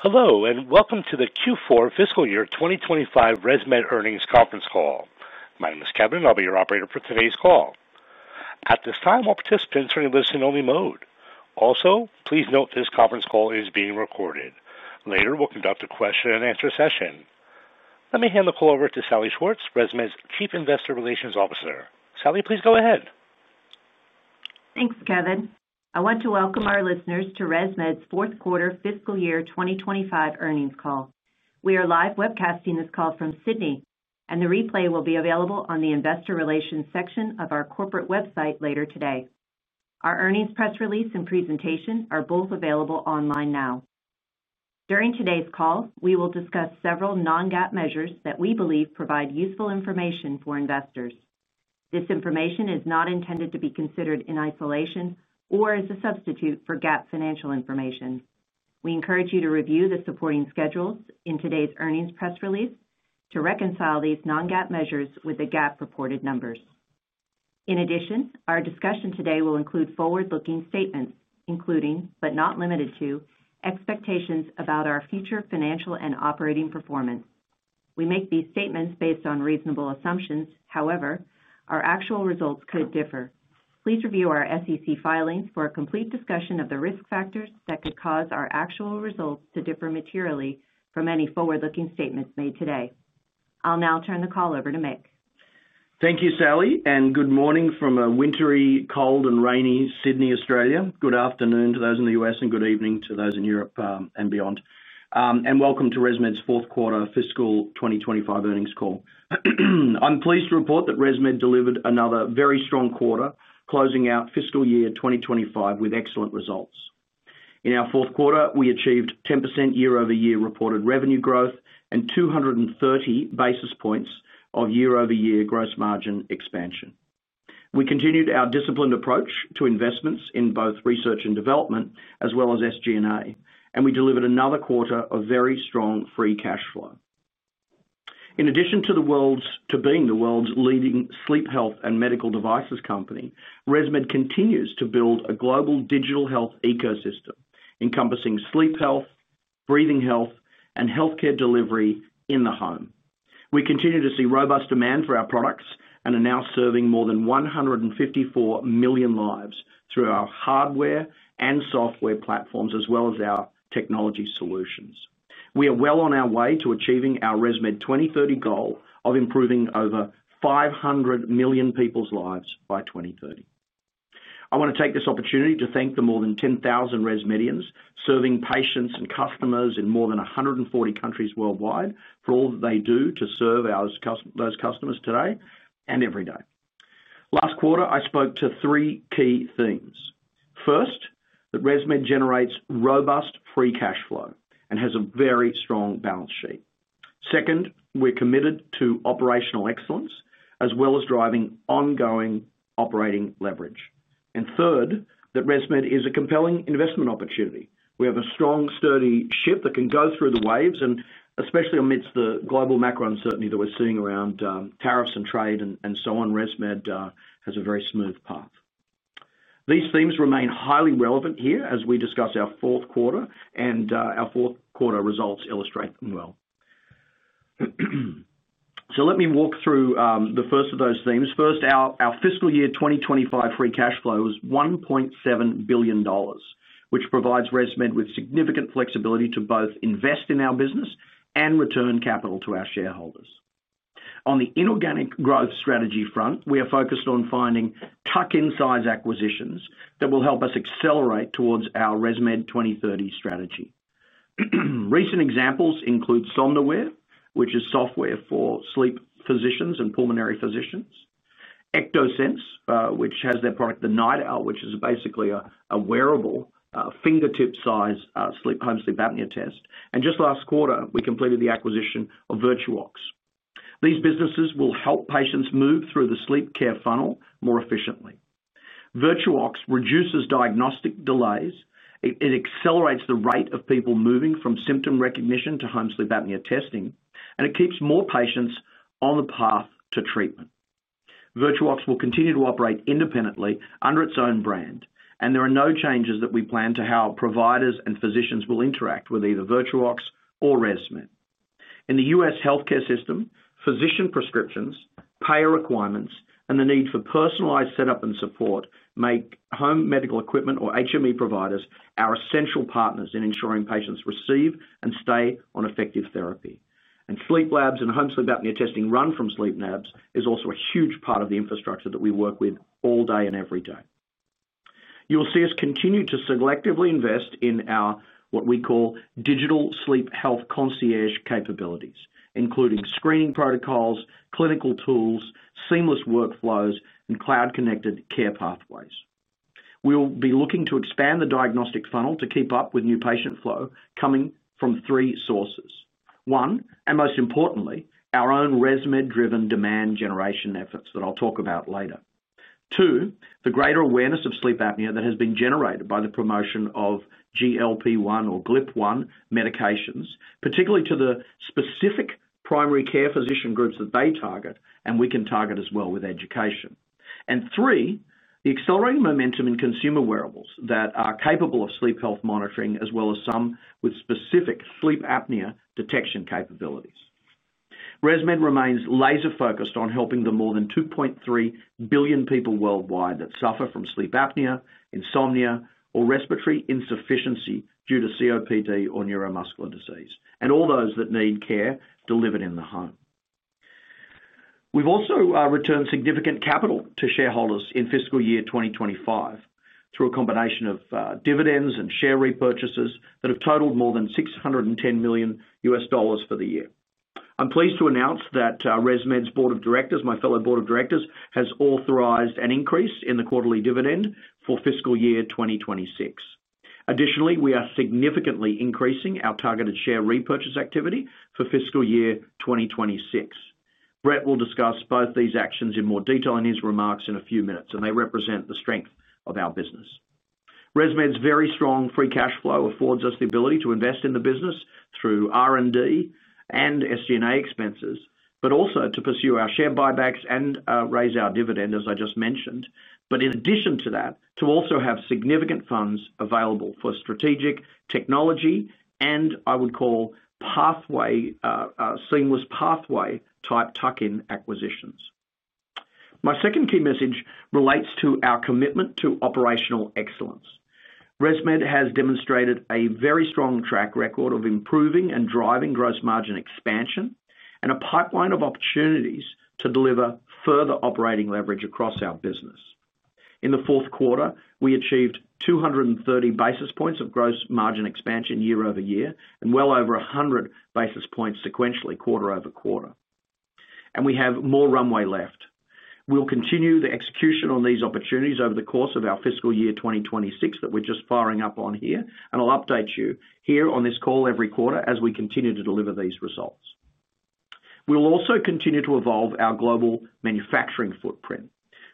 Hello and welcome to the Q4 fiscal year 2025 ResMed earnings conference call. My name is Kevin and I'll be your operator for today's call. At this time, all participants are in listen only mode. Also, please note this conference call is being recorded. Later we'll conduct a question and answer session. Let me hand the call over to Salli Schwartz, ResMed's Chief Investor Relations Officer. Salli, please go ahead. Thanks, Kevin. I want to welcome our listeners to ResMed's fourth quarter fiscal year 2025 earnings call. We are live webcasting this call from Sydney, and the replay will be available on the Investor Relations section of our corporate website later today. Our earnings press release and presentation are both available online now. During today's call, we will discuss several non-GAAP measures that we believe provide useful information for investors. This information is not intended to be considered in isolation or as a substitute for GAAP financial information. We encourage you to review the supporting schedules in today's earnings press release to reconcile these non-GAAP measures with the GAAP reported numbers. In addition, our discussion today will include forward-looking statements, including but not limited to expectations about our future financial and operating performance. We make these statements based on reasonable assumptions, however, our actual results could differ. Please review our SEC filings for a complete discussion of the risk factors that could cause our actual results to differ materially from any forward-looking statements made today. I'll now turn the call over to Mick. Thank you, Salli, and good morning from a wintry, cold, and rainy Sydney, Australia. Good afternoon to those in the U.S. and good evening to those in Europe and beyond. Welcome to ResMed's fourth quarter fiscal 2025 earnings. I'm pleased to report that ResMed delivered another very strong quarter, closing out fiscal year 2025 with excellent results. In our fourth quarter, we achieved 10% year-over-year reported revenue growth and 230 basis points of year-over-year gross margin expansion. We continued our disciplined approach to investments in both research and development as well as SG&A, and we delivered another quarter of very strong free cash flow. In addition to being the world's leading sleep health and medical devices company, ResMed continues to build a global digital health ecosystem encompassing sleep health, breathing health, and healthcare delivery in the home. We continue to see robust demand for our products and are now serving more than 154 million lives through our hardware and software platforms as well as our technology solutions. We are well on our way to achieving our ResMed 2030 goal of improving over 500 million people's lives by 2030. I want to take this opportunity to thank the more than 10,000 ResMedians serving patients and customers in more than 140 countries worldwide for all they do to serve those customers today and every day. Last quarter, I spoke to three key themes. First, that ResMed generates robust free cash flow and has a very strong balance sheet. Second, we're committed to operational excellence as well as driving ongoing operating leverage. Third, that ResMed is a compelling investment opportunity. We have a strong, sturdy ship that can go through the waves. Especially amidst the global macro uncertainty that we're seeing around tariffs and trade and so on, ResMed has a very smooth path. These themes remain highly relevant here as we discuss our fourth quarter, and our fourth quarter results illustrate them well. Let me walk through the first of those themes. First, our fiscal year 2025 free cash flow was $1.7 billion, which provides ResMed with significant flexibility to both invest in our business and return capital to our shareholders. On the inorganic growth strategy front, we are focused on finding tuck-in size acquisitions that will accelerate towards our ResMed 2030 strategy. Recent examples include Somnoware, which is software for sleep physicians and pulmonary physicians, Ectosense, which has their product the NightOwl, which is basically a wearable fingertip-size home sleep apnea test. Just last quarter we completed the acquisition of VirtuOx. These businesses will help patients move through the sleep care funnel more efficiently. VirtuOx reduces diagnostic delays, it accelerates the rate of people moving from symptom recognition to home sleep apnea testing, and it keeps more patients on the path to treatment. VirtuOx will continue to operate independently under its own brand, and there are no changes that we plan to how providers and physicians will interact with either VirtuOx or ResMed in the U.S. healthcare system. Physician prescriptions, payer requirements, and the need for personalized setup and support make home medical equipment or HME providers our essential partners in ensuring patients receive and stay on effective therapy, and sleep labs and home sleep apnea testing run from sleep labs is also a huge part of the infrastructure that we work with all day and every day. You'll see us continue to selectively invest in our, what we call, digital sleep health concierge capabilities, including screening protocols, clinical tools, seamless workflows, cloud-connected care pathways. We will be looking to expand the diagnostic funnel to keep up with new patient flow coming from three sources. One, and most importantly, our own ResMed-driven demand generation efforts that I'll talk about later. Two, the greater awareness of sleep apnea that has been generated by the promotion of GLP-1 or Glip-1 medications, particularly to the specific primary care physician groups that they target and we can target as well with education, and three, the accelerating momentum in consumer wearables that are capable of sleep health monitoring as well as some with specific sleep apnea detection capabilities. ResMed remains laser focused on helping the more than 2.3 billion people worldwide that suffer from sleep apnea, insomnia, or respiratory insufficiency due to COPD or neuromuscular disease, and all those that need care delivered in the home. We've also returned significant capital to shareholders in fiscal year 2025 through a combination of dividends and share repurchases that have totaled more than $610 million for the year. I'm pleased to announce that ResMed's Board of Directors, my fellow Board of Directors, has authorized an increase in the quarterly dividend for fiscal year 2026. Additionally, we are significantly increasing our targeted share repurchase activity for fiscal year 2026. Brett will discuss both these actions in more detail in his remarks in a few minutes, and they represent the strength of our business. ResMed's very strong free cash flow affords us the ability to invest in the business through R&D and SG&A expenses, but also to pursue our share buybacks and raise our dividend as I just mentioned. In addition to that, we also have significant funds available for strategic technology and I would call pathway, seamless pathway type tuck-in acquisitions. My second key message relates to our commitment to operational excellence. ResMed has demonstrated a very strong track record of improving and driving gross margin expansion and a pipeline of opportunities to deliver further operating leverage across our business. In the fourth quarter, we achieved 230 basis points of gross margin expansion year-over-year and well over 100 basis points sequentially quarter over quarter, and we have more runway left. We'll continue the execution on these opportunities over the course of our fiscal year 2026 that we're just firing up on here, and I'll update you here on this call every quarter. As we continue to deliver these results, we will also continue to evolve our global manufacturing footprint.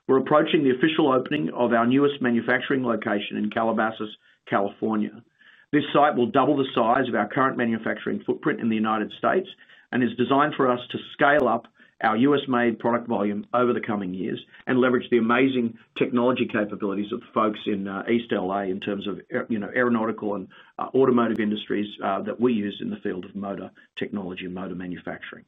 We're approaching the official opening of our newest manufacturing location in Calabasas, California. This site will double the size of our current manufacturing footprint in the United States and is designed for us to scale up our U.S.-made product volume over the coming years and leverage the amazing technology capabilities of the folks in East L.A. in terms of aeronautical and automotive industries that we use in the field of motorcycle technology and motor manufacturing.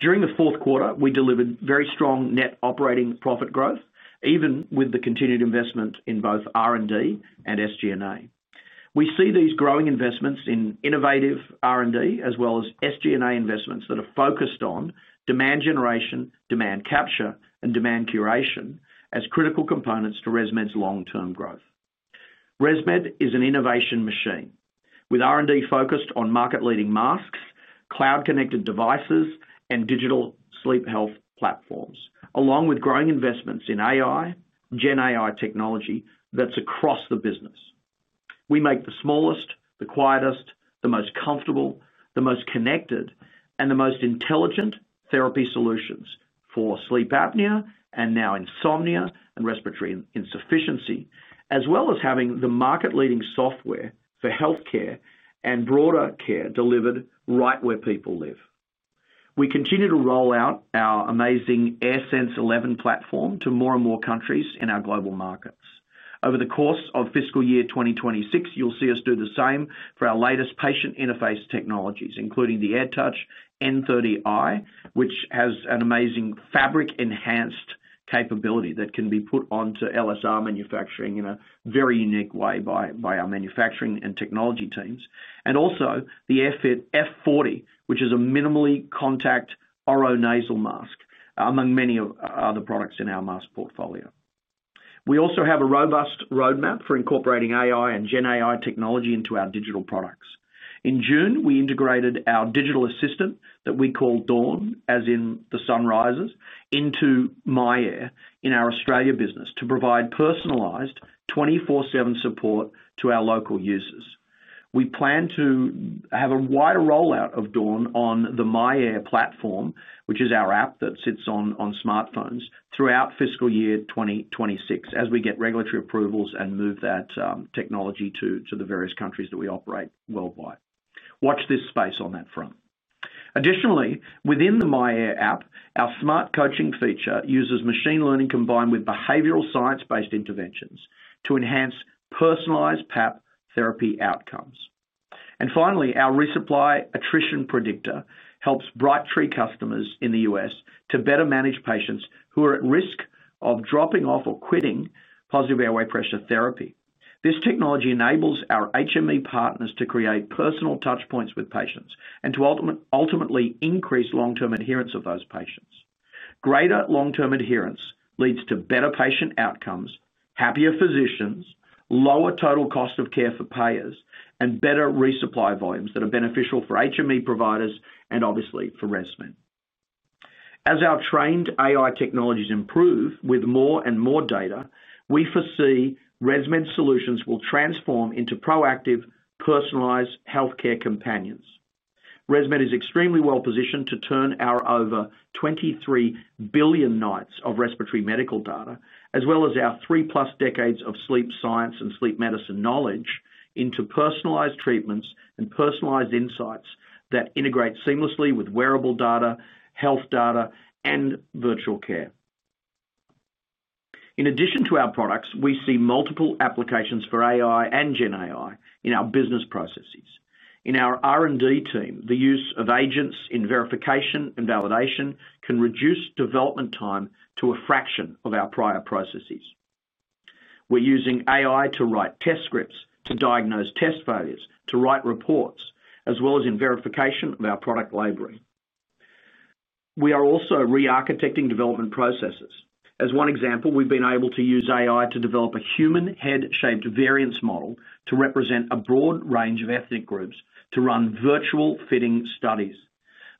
During the fourth quarter, we delivered very strong net operating profit growth. Even with the continued investment in both R&D and SG&A, we see these growing investments in innovative R&D as well as SG&A investments that are focused on demand generation, demand capture, and demand curation as critical components to ResMed's long-term growth. ResMed is an innovation machine with R&D focused on market leading masks, cloud-connected devices, and digital sleep health platforms, along with growing investments in AI, GenAI technology that's across the business. We make the smallest, the quietest, the most comfortable, the most connected, and the most intelligent therapy solutions for sleep apnea and now insomnia and respiratory insufficiency, as well as having the market leading software for health care and broader care delivered right where people live. We continue to roll out our amazing AirSense 11 platform to more and more countries in our global markets. Over the course of fiscal year 2026, you'll see us do the same for our latest patient interface technologies, including the AirTouch N30i, which has an amazing fabric-enhanced capability that can be put onto LSR manufacturing in a very unique way by our manufacturing and technology teams. The AirFit F40, which is a minimally contact oronasal mask, among many other products in our mask portfolio. We also have a robust roadmap for incorporating AI and GenAI technology into our digital products. In June, we integrated our digital assistant that we call Dawn, as in the sun rises, into MyAir in our Australia business to provide personalized 24/7 support to our local users. We plan to have a wider rollout of Dawn on the MyAir platform, which is our app that sits on smartphones, throughout fiscal year 2026 as we get regulatory approvals and move that technology to the various countries that we operate worldwide. Watch this space on that front. Additionally, within the MyAir app, our smart coaching feature uses machine learning combined with behavioral science-based interventions to enhance personalized PAP therapy outcomes. Finally, our Resupply Attrition Predictor helps Brightree customers in the U.S. to better manage patients who are at risk of dropping off or quitting positive airway pressure therapy. This technology enables our HME partners to create personal touch points with patients and to ultimately increase long-term adherence of those patients. Greater long-term adherence leads to better patient outcomes, happier physicians, lower total cost of care for payers, and better resupply volumes that are beneficial for HME providers and obviously for ResMed. As our trained AI technologies improve with more and more data, we foresee ResMed solutions will transform into proactive, personalized healthcare companions. ResMed is extremely well positioned to turn our over $23 billion nights of respiratory medical data as well as our three plus decades of sleep science and sleep medicine knowledge into personalized treatments and personalized insights that integrate seamlessly with wearable data, health data, and virtual care. In addition to our products, we see multiple applications for AI and GENAI in our business processes. In our R&D team, the use of agents in verification and validation can reduce development time to a fraction of our prior processes. We're using AI to write test scripts, to diagnose test failures, to write reports, as well as in verification of our product library. We are also re-architecting development processes. As one example, we've been able to use AI to develop a human head-shaped variance model to represent a broad range of ethnic groups to run virtual fitting studies.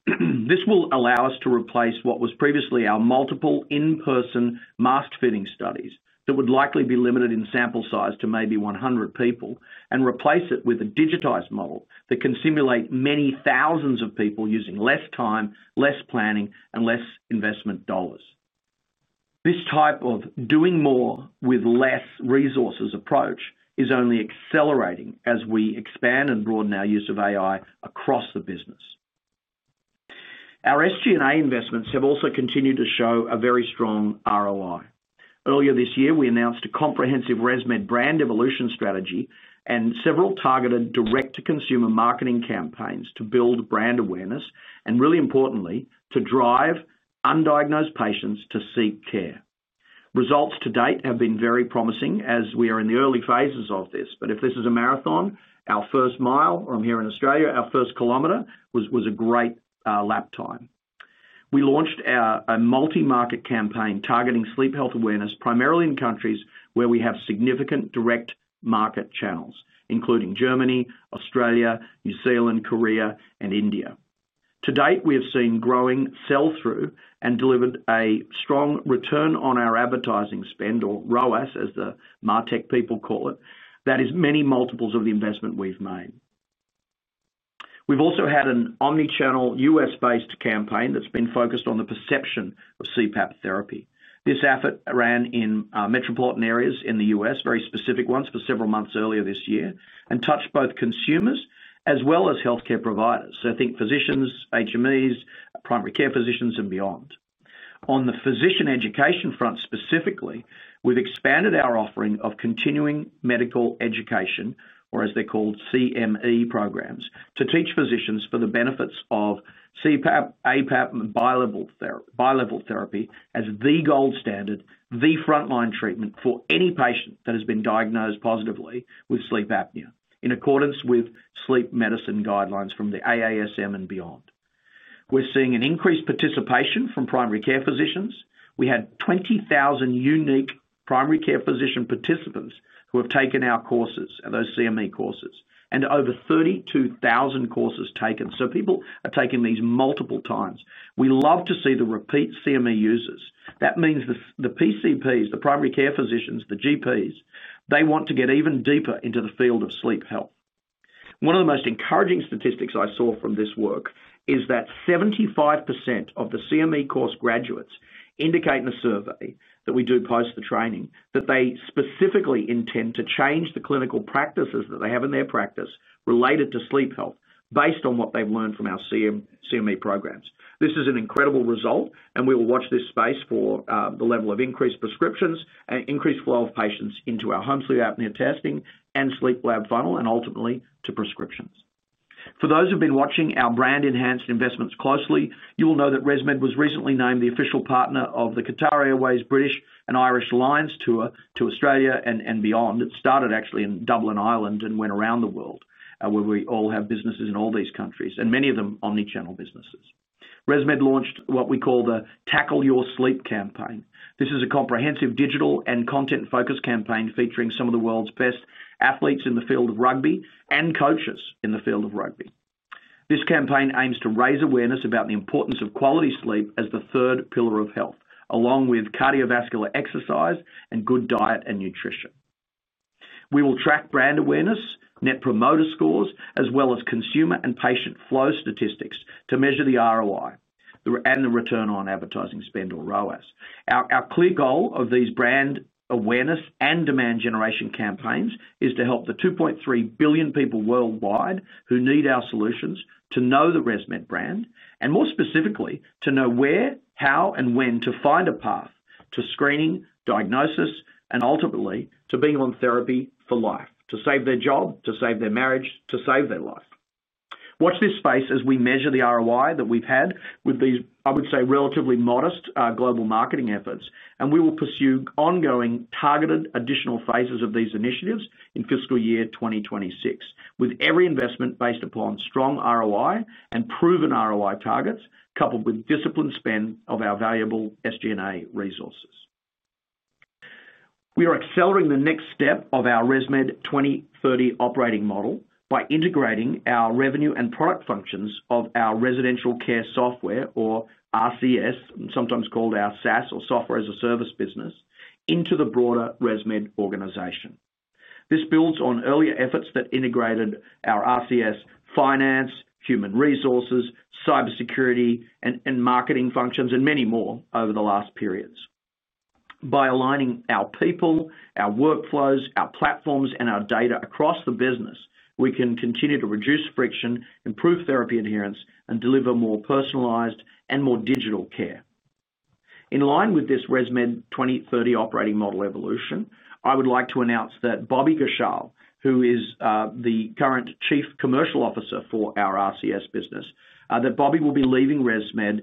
This will allow us to replace what was previously our multiple in-person mask fitting studies that would likely be limited in sample size to maybe 100 people and replace it with a digitized model that can simulate many thousands of people using less time, less planning, and less investment dollars. This type of doing more with less resources approach is only accelerating as we expand and broaden our use of AI across the business. Our SG&A investments have also continued to show a very strong ROI. Earlier this year we announced a comprehensive ResMed brand evolution strategy and several targeted direct-to-consumer marketing campaigns to build brand awareness and, really importantly, to drive undiagnosed patients to seek care. Results to date have been very promising as we are in the early phases of this. If this is a marathon, our first mile—I'm here in Australia—our first kilometer was a great lap time. We launched a multi-market campaign targeting sleep health awareness primarily in countries where we have significant direct market channels, including Germany, Australia, New Zealand, Korea, and India. To date, we have seen growing sell-through and delivered a strong return on our advertising spend, or ROAS as the MARTECH people call it. That is many multiples of the investment we've made. We've also had an omnichannel U.S.-based campaign that's been focused on the perception of CPAP therapy. This effort ran in metropolitan areas in the U.S., very specific ones, for several months earlier this year and touched both consumers as well as healthcare providers. Think physicians, HMEs, primary care physicians and beyond. On the physician education front specifically, we've expanded our offering of continuing medical education, or as they're called, CME programs to teach physicians the benefits of CPAP, APAP, Bilevel therapy as the gold standard, the frontline treatment for any patient that has been diagnosed positively with sleep apnea in accordance with sleep medicine guidelines from the AASM and beyond. We're seeing increased participation from primary care physicians. We had 20,000 unique primary care physician participants who have taken our courses, those CME courses, and over 32,000 courses taken. People are taking these multiple times. We love to see the repeat CME users. That means the PCPs, the primary care physicians, the GPs, want to get even deeper into the field of sleep health. One of the most encouraging statistics I saw from this work is that 75% of the CME course graduates indicate in a survey that we do post the training that they specifically intend to change the clinical practices that they have in their practice related to sleep health based on what they've learned from our CME programs. This is an incredible result and we will watch this space for the level of increased prescriptions and increased flow of patients into our home sleep apnea testing and sleep lab funnel, and ultimately to prescriptions. For those who've been watching our brand-enhanced investments closely, you will know that ResMed was recently named the official partner of the Qatar Airways British & Irish Lions tour to Australia and beyond. It started actually in Dublin, Ireland and went around the world where we all have businesses in all these countries and many of them omnichannel businesses. ResMed launched what we call the Tackle Your Sleep Campaign. This is a comprehensive, digital and content-focused campaign featuring some of the world's best athletes in the field of rugby and coaches in the field of rugby. This campaign aims to raise awareness about the importance of quality sleep as the third pillar of health, along with cardiovascular exercise and good diet and nutrition. We will track brand awareness, net promoter scores, as well as consumer and patient flow statistics to measure the ROI and the return on advertising spend, or ROAS. Our clear goal of these brand awareness and demand generation campaigns is to help the 2.3 billion people worldwide who need our solutions to know the ResMed brand and more specifically to know where, how, and when to find a path to screening, diagnosis, and ultimately to being on therapy for life. To save their job, to save their marriage, to save their life. Watch this space as we measure the ROI that we've had with these, I would say, relatively modest global marketing efforts, and we will pursue ongoing targeted additional phases of these initiatives in fiscal year 2026. With every investment based upon strong ROI and proven ROI targets, and coupled with disciplined spend of our valuable SG&A resources, we are accelerating the next step of our ResMed 2030 operating model by integrating our revenue and product functions of our Residential Care Software, or RCS, sometimes called our SaaS or Software as a Service business, into the broader ResMed organization. This builds on earlier efforts that integrated our RCS finance, human resources, cybersecurity, and marketing functions, and many more over the last periods. By aligning our people, our workflows, our platforms, and our data across the business, we can continue to reduce friction, improve therapy adherence, and deliver more personalized and more digital care. In line with this ResMed 2030 operating model evolution, I would like to announce that Bobby Ghoshal, who is the current Chief Commercial Officer for our RCS business, that Bobby will be leaving ResMed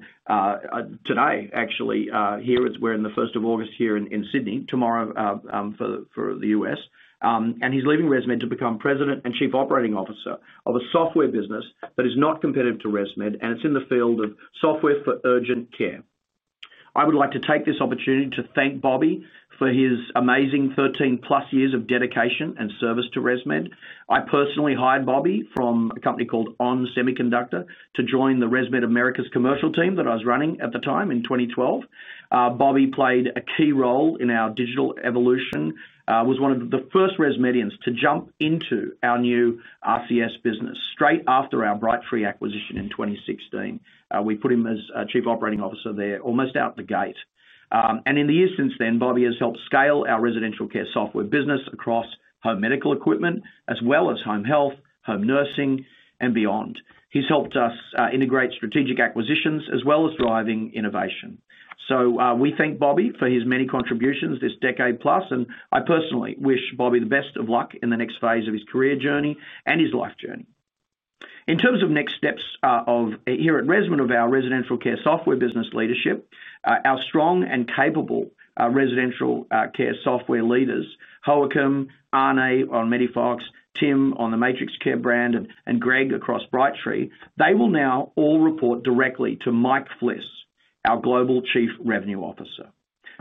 today. Actually, here we're in the first of August here in Sydney, tomorrow for the U.S., and he's leaving ResMed to become President and Chief Operating Officer of a software business that is not competitive to ResMed, and it's in the field of software for urgent care. I would like to take this opportunity to thank Bobby for his amazing 13+ years of dedication and service to ResMed. I personally hired him from a company called ON Semiconductor to join the ResMed Americas commercial team that I was running at the time. In 2012, Bobby played a key role in our digital evolution, was one of the first ResMedians to jump into our new RCS business straight after our Brightree acquisition in 2016. We put him as Chief Operating Officer there almost out the gate, and in the years since then, Bobby has helped scale our Residential Care Software business across home medical equipment as well as home health, home nursing, and beyond. He's helped us integrate strategic acquisitions as well as driving innovation. We thank Bobby for his many contributions this decade plus and I personally wish Bobby the best of luck in the next phase of his career journey and his life journey. In terms of next steps here at ResMed, of our residential care software business leadership, our strong and capable residential care software leaders, Holcom, Anai on MEDIFOX, Tim on the MatrixCare brand, and Greg across Brightree, they will now all report directly to Mike Fliss, our Global Chief Revenue Officer.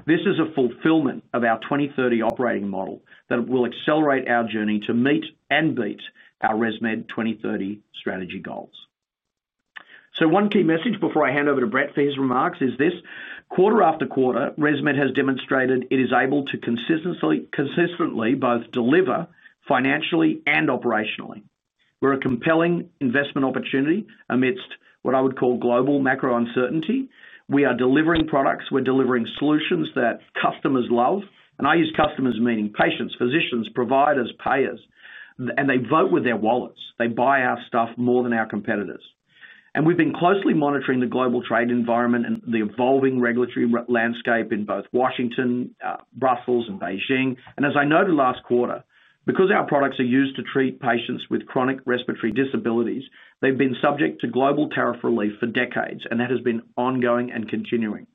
This is a fulfillment of our 2030 operating model that will accelerate our journey to meet and beat our ResMed 2030 strategy goals. One key message before I hand over to Brett for his remarks is this: quarter after quarter, ResMed has demonstrated it is able to consistently both deliver financially and operationally. We're a compelling investment opportunity amidst what I would call global macro uncertainty. We are delivering products, we're delivering solutions that customers love and I use. Customers meaning patients, physicians, providers, payers, and they vote with their wallets. They buy our stuff more than our competitors and we've been closely monitoring the global trade environment and the evolving regulatory landscape in Washington, Brussels, and Beijing. As I noted last quarter, because our products are used to treat patients with chronic respiratory disabilities, they've been subject to global tariff relief for decades and that has been ongoing and continuing.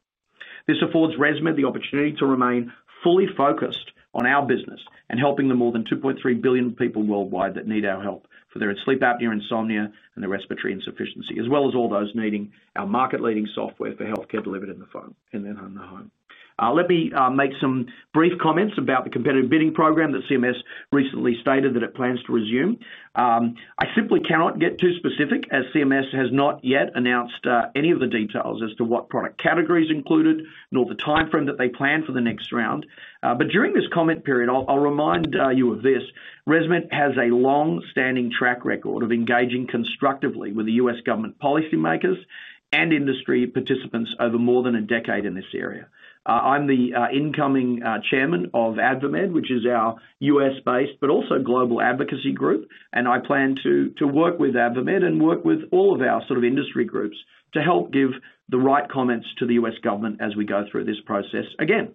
This affords ResMed the opportunity to remain fully focused on our business and helping the more than 2.3 billion people worldwide that need our help for their sleep apnea, insomnia, and their respiratory insufficiency as well as all those needing our market leading software for healthcare delivered in the phone and then in the home. Let me make some brief comments about the competitive bidding program that CMS recently stated that it plans to resume. I simply cannot get too specific as CMS has not yet announced any of the details as to what product categories are included nor the timeframe that they plan for the next round. During this comment period, I'll remind you of this: ResMed has a long standing track record of engaging constructively with the U.S. Government policymakers and industry participants over more than a decade in this area. I'm the incoming Chairman of AdvaMed, which is our U.S.-based but also global advocacy group, and I plan to work with AdvaMed and work with all of our sort of industry groups to help give the right comments to the U.S. Government as we go through this process. Again,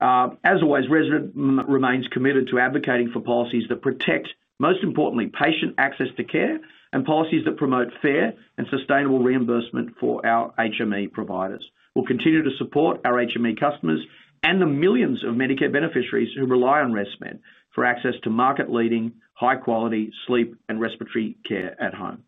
as always, ResMed remains committed to advocating for policies that protect, most importantly, patient access to care, and policies that promote fair and sustainable reimbursement for our HME providers. We will continue to support our HME customers and the millions of Medicare beneficiaries who rely on ResMed for access to market-leading, high-quality sleep and respiratory care at home.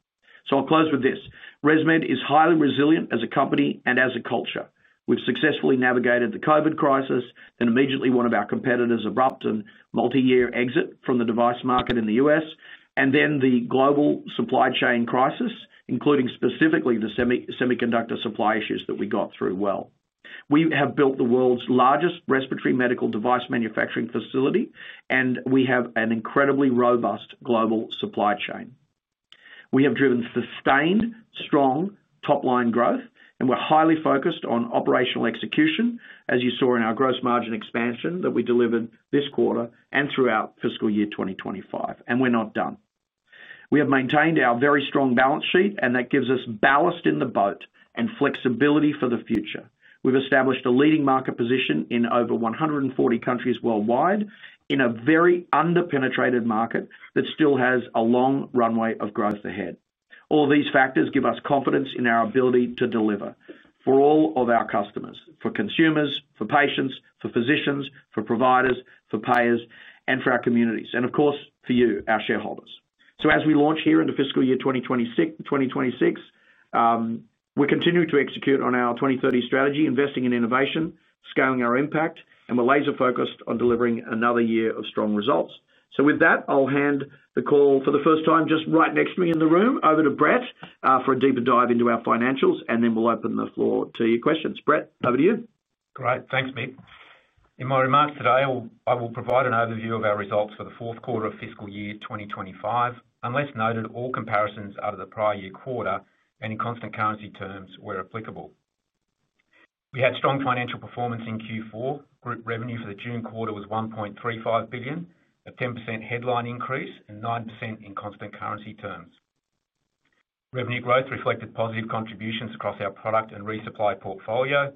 I'll close with this. ResMed is highly resilient as a company and as a culture. We've successfully navigated the COVID crisis, then immediately one of our competitors' abrupt and multi-year exit from the device market in the U.S., and then the global supply chain crisis, including specifically the semiconductor supply issues that we got through. We have built the world's largest respiratory medical device manufacturing facility, and we have an incredibly robust global supply chain. We have driven sustained strong top-line growth, and we're highly focused on operational execution, as you saw in our gross margin expansion that we delivered this quarter and throughout fiscal year 2025. We're not done. We have maintained our very strong balance sheet, and that gives us ballast in the boat and flexibility for the future. We've established a leading market position in over 140 countries worldwide in a very underpenetrated market that still has a long runway of growth ahead. All these factors give us confidence in our ability to deliver for all of our customers, for consumers, for patients, for physicians, for providers, for payers, and for our communities, and of course for you, our shareholders. As we launch here into fiscal year 2026, we continue to execute on our 2030 strategy, investing in innovation, scaling our impact, and we're laser focused on delivering another year of strong results. With that, I'll hand the call for the first time just right next to me in the room over to Brett for a deeper dive into our financials, and then we'll open the floor to your questions. Brett, over to you. Great. Thanks, Mick. In my remarks today, I will provide an overview of our results for the fourth quarter of fiscal year 2025. Unless noted, all comparisons are to the prior year quarter and in constant currency terms where applicable. We had strong financial performance in Q4 Group. Revenue for the June quarter was $1.35 billion, a 10% headline increase and 9% in constant currency terms. Revenue growth reflected positive contributions across our product and resupply portfolio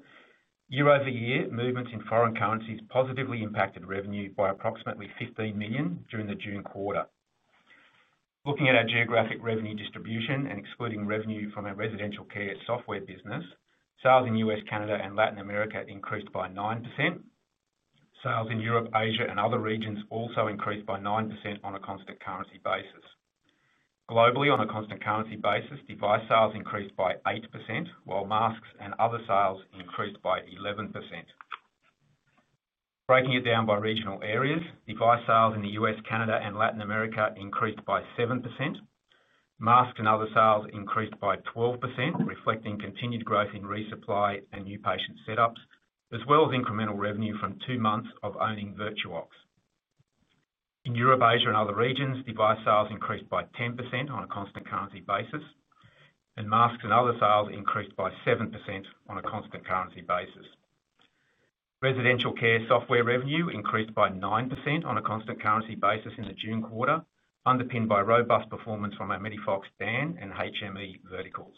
year-over-year. Movements in foreign currencies positively impacted revenue by approximately $15 million during the June quarter. Looking at our geographic revenue distribution and excluding revenue from our residential care software business, sales in U.S., Canada and Latin America increased by 9%. Sales in Europe, Asia and other regions also increased by 9% on a constant currency basis. Globally, on a constant currency basis, device sales increased by 8%, while masks and other sales increased by 11%. Breaking it down by regional areas, device sales in the U.S., Canada and Latin America increased by 7%. Masks and other sales increased by 12%, reflecting continued growth in resupply and new patient setups as well as incremental revenue from two months of owning VirtuOx. In Europe, Asia and other regions, device sales increased by 10% on a constant currency basis and masks and other sales increased by 7% on a constant currency basis. Residential care software revenue increased by 9% on a constant currency basis in the June quarter, underpinned by robust performance from our MEDIFOX DAN and HME verticals.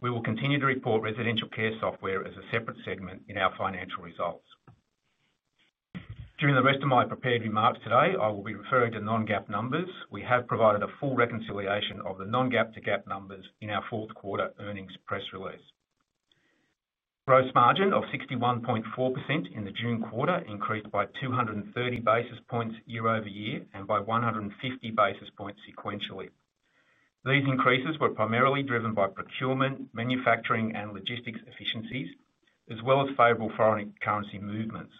We will continue to report residential care software as a separate segment in our financial results. During the rest of my prepared remarks today, I will be referring to non-GAAP numbers. We have provided a full reconciliation of the non-GAAP to GAAP numbers in our fourth quarter earnings press release. Gross margin of 61.4% in the June quarter increased by 230 basis points year-over-year and by 150 basis points sequentially. These increases were primarily driven by procurement, manufacturing and logistics efficiencies as well as favorable foreign currency movements.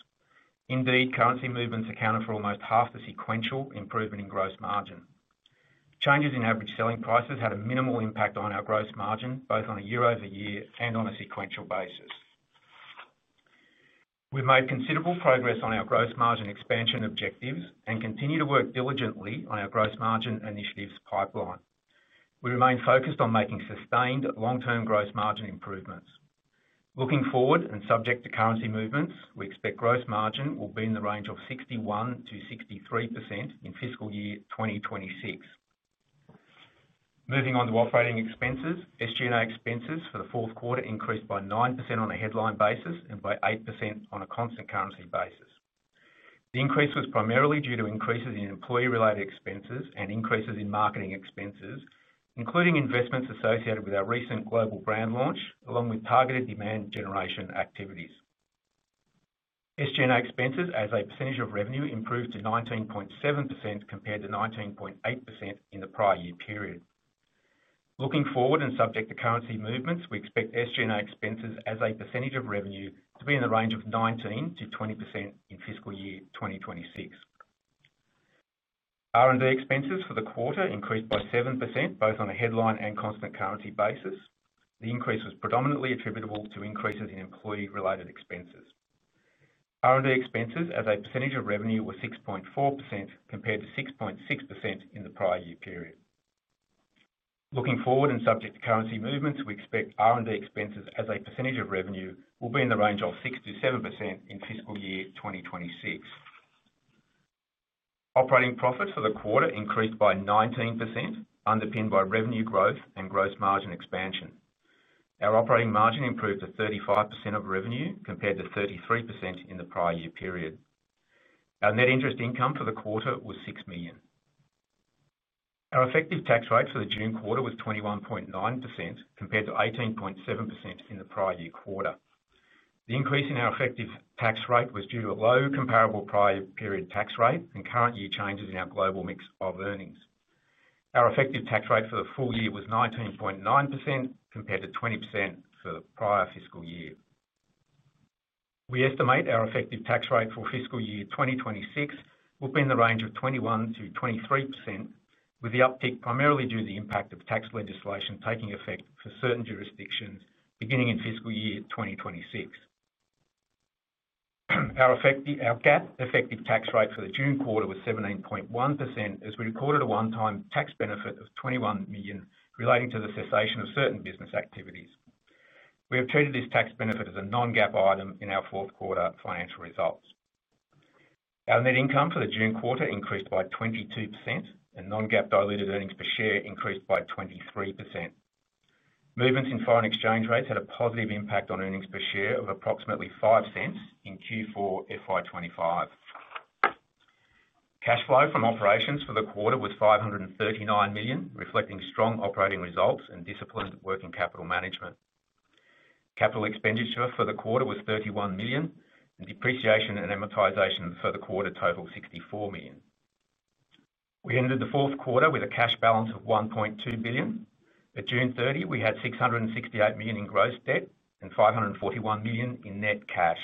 Indeed, currency movements accounted for almost half the sequential improvement in gross margin. Changes in average selling prices had a minimal impact on our gross margin both on a year-over-year and on a sequential basis. We've made considerable progress on our gross margin expansion objectives and continue to work diligently on our gross margin initiatives pipeline. We remain focused on making sustained long term gross margin improvements. Looking forward and subject to currency movements, we expect gross margin will be in the range of 61%-63% in fiscal year 2026. Moving on to operating expenses, SG&A expenses for the fourth quarter increased by 9% on a headline basis and by 8% on a constant currency basis. The increase was primarily due to increases in employee related expenses and increases in marketing expenses, including investments associated with our recent global brand launch along with targeted demand generation activities. SG&A expenses as a percentage of revenue improved to 19.7% compared to 19.8% in the prior year period. Looking forward and subject to currency movements, we expect SG&A expenses as a percentage of revenue to be in the range of 19%-20% in fiscal year 2026. R&D expenses for the quarter increased by 7% both on a headline and constant currency basis. The increase was predominantly attributable to increases in employee related expenses. R&D expenses as a percentage of revenue were 6.4% compared to 6.6% in the prior year period. Looking forward and subject to currency movements, we expect R&D expenses as a percentage of revenue will be in the range of 6%-7% in fiscal year 2026. Operating profit for the quarter increased by 19%, underpinned by revenue growth and gross margin expansion. Our operating margin improved to 35% of revenue compared to 33% in the prior year period. Our net interest income for the quarter was $6 million. Our effective tax rate for the June quarter was 21.9% compared to 18.7% in the prior year quarter. The increase in our effective tax rate was due to a low comparable prior period tax rate and current year changes in our global mix of earnings. Our effective tax rate for the full year was 19.9% compared to 20% for the prior fiscal year. We estimate our effective tax rate for fiscal year 2026 will be in the range of 21%-23%, with the uptick primarily due to the impact of tax legislation taking effect for certain jurisdictions beginning in fiscal year 2026. Our GAAP effective tax rate for the June quarter was 17.1% as we recorded a one time tax benefit of $21 million relating to the cessation of certain business activities. We have treated this tax benefit as a non-GAAP item in our fourth quarter financial results. Our net income for the June quarter increased by 22% and non-GAAP diluted earnings per share increased by 23%. Movements in foreign exchange rates had a positive impact on earnings per share of approximately $0.05 in Q4 FY25. Cash flow from operations for the quarter was $539 million, reflecting strong operating results and disciplined working capital management. Capital expenditure for the quarter was $31 million, and depreciation and amortization for the quarter totaled $64 million. We ended the fourth quarter with a cash balance of $1.2 billion. At June 30th, we had $668 million in gross debt and $541 million in net cash.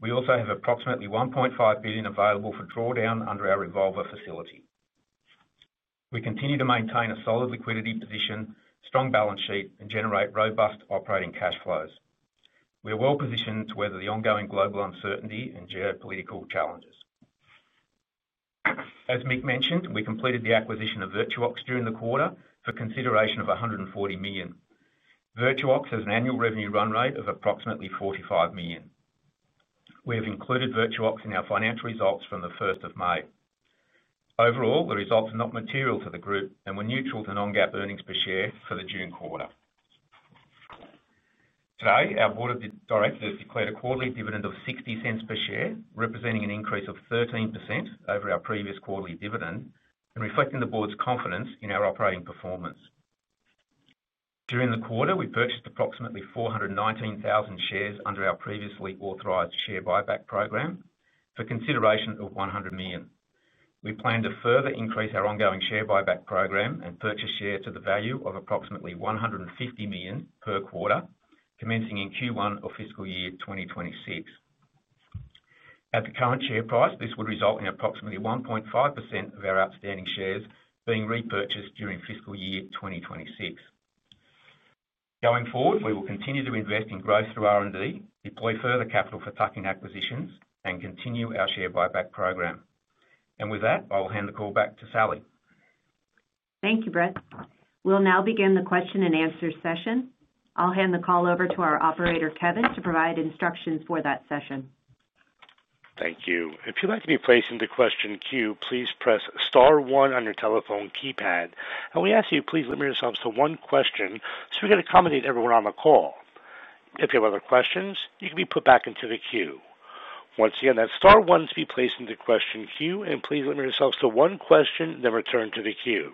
We also have approximately $1.5 billion available for drawdown under our revolver facility. We continue to maintain a solid liquidity position, strong balance sheet, and generate robust operating cash flows. We are well positioned to weather the ongoing global uncertainty and geopolitical challenges. As Mick mentioned, we completed the acquisition of VirtuOx during the quarter for consideration of $140 million. VirtuOx has an annual revenue run rate of approximately $45 million. We have included VirtuOx in our financial results from May 1. Overall, the results are not material to the group and were neutral to non-GAAP earnings per share for the June quarter. Today our Board of Directors declared a quarterly dividend of $0.60 per share, representing an increase of 13% over our previous quarterly dividend and reflecting the Board's confidence in our operating performance. During the quarter, we purchased approximately 419,000 shares under our previously authorized share buyback program for consideration of $100 million. We plan to further increase our ongoing share buyback program and purchase shares to the value of approximately $150 million per quarter commencing in Q1 of fiscal year 2026. At the current share price, this would result in approximately 1.5% of our outstanding shares being repurchased during fiscal year 2026. Going forward, we will continue to invest in growth through R&D, deploy further capital for tuck-in acquisitions, and continue our share buyback program. With that, I will hand the call back to Salli. Thank you, Brett. We'll now begin the question and answer session. I'll hand the call over to our operator, Kevin, to provide instructions for that session. Thank you. If you'd like to be placed into the question queue, please press star one on your telephone keypad, and we ask you please limit yourselves to one question so we can accommodate everyone on the call. If you have other questions, you can be put back into the queue. Once again, that star one is to be placed into the question queue, and please limit yourselves to one question, then return to the queue.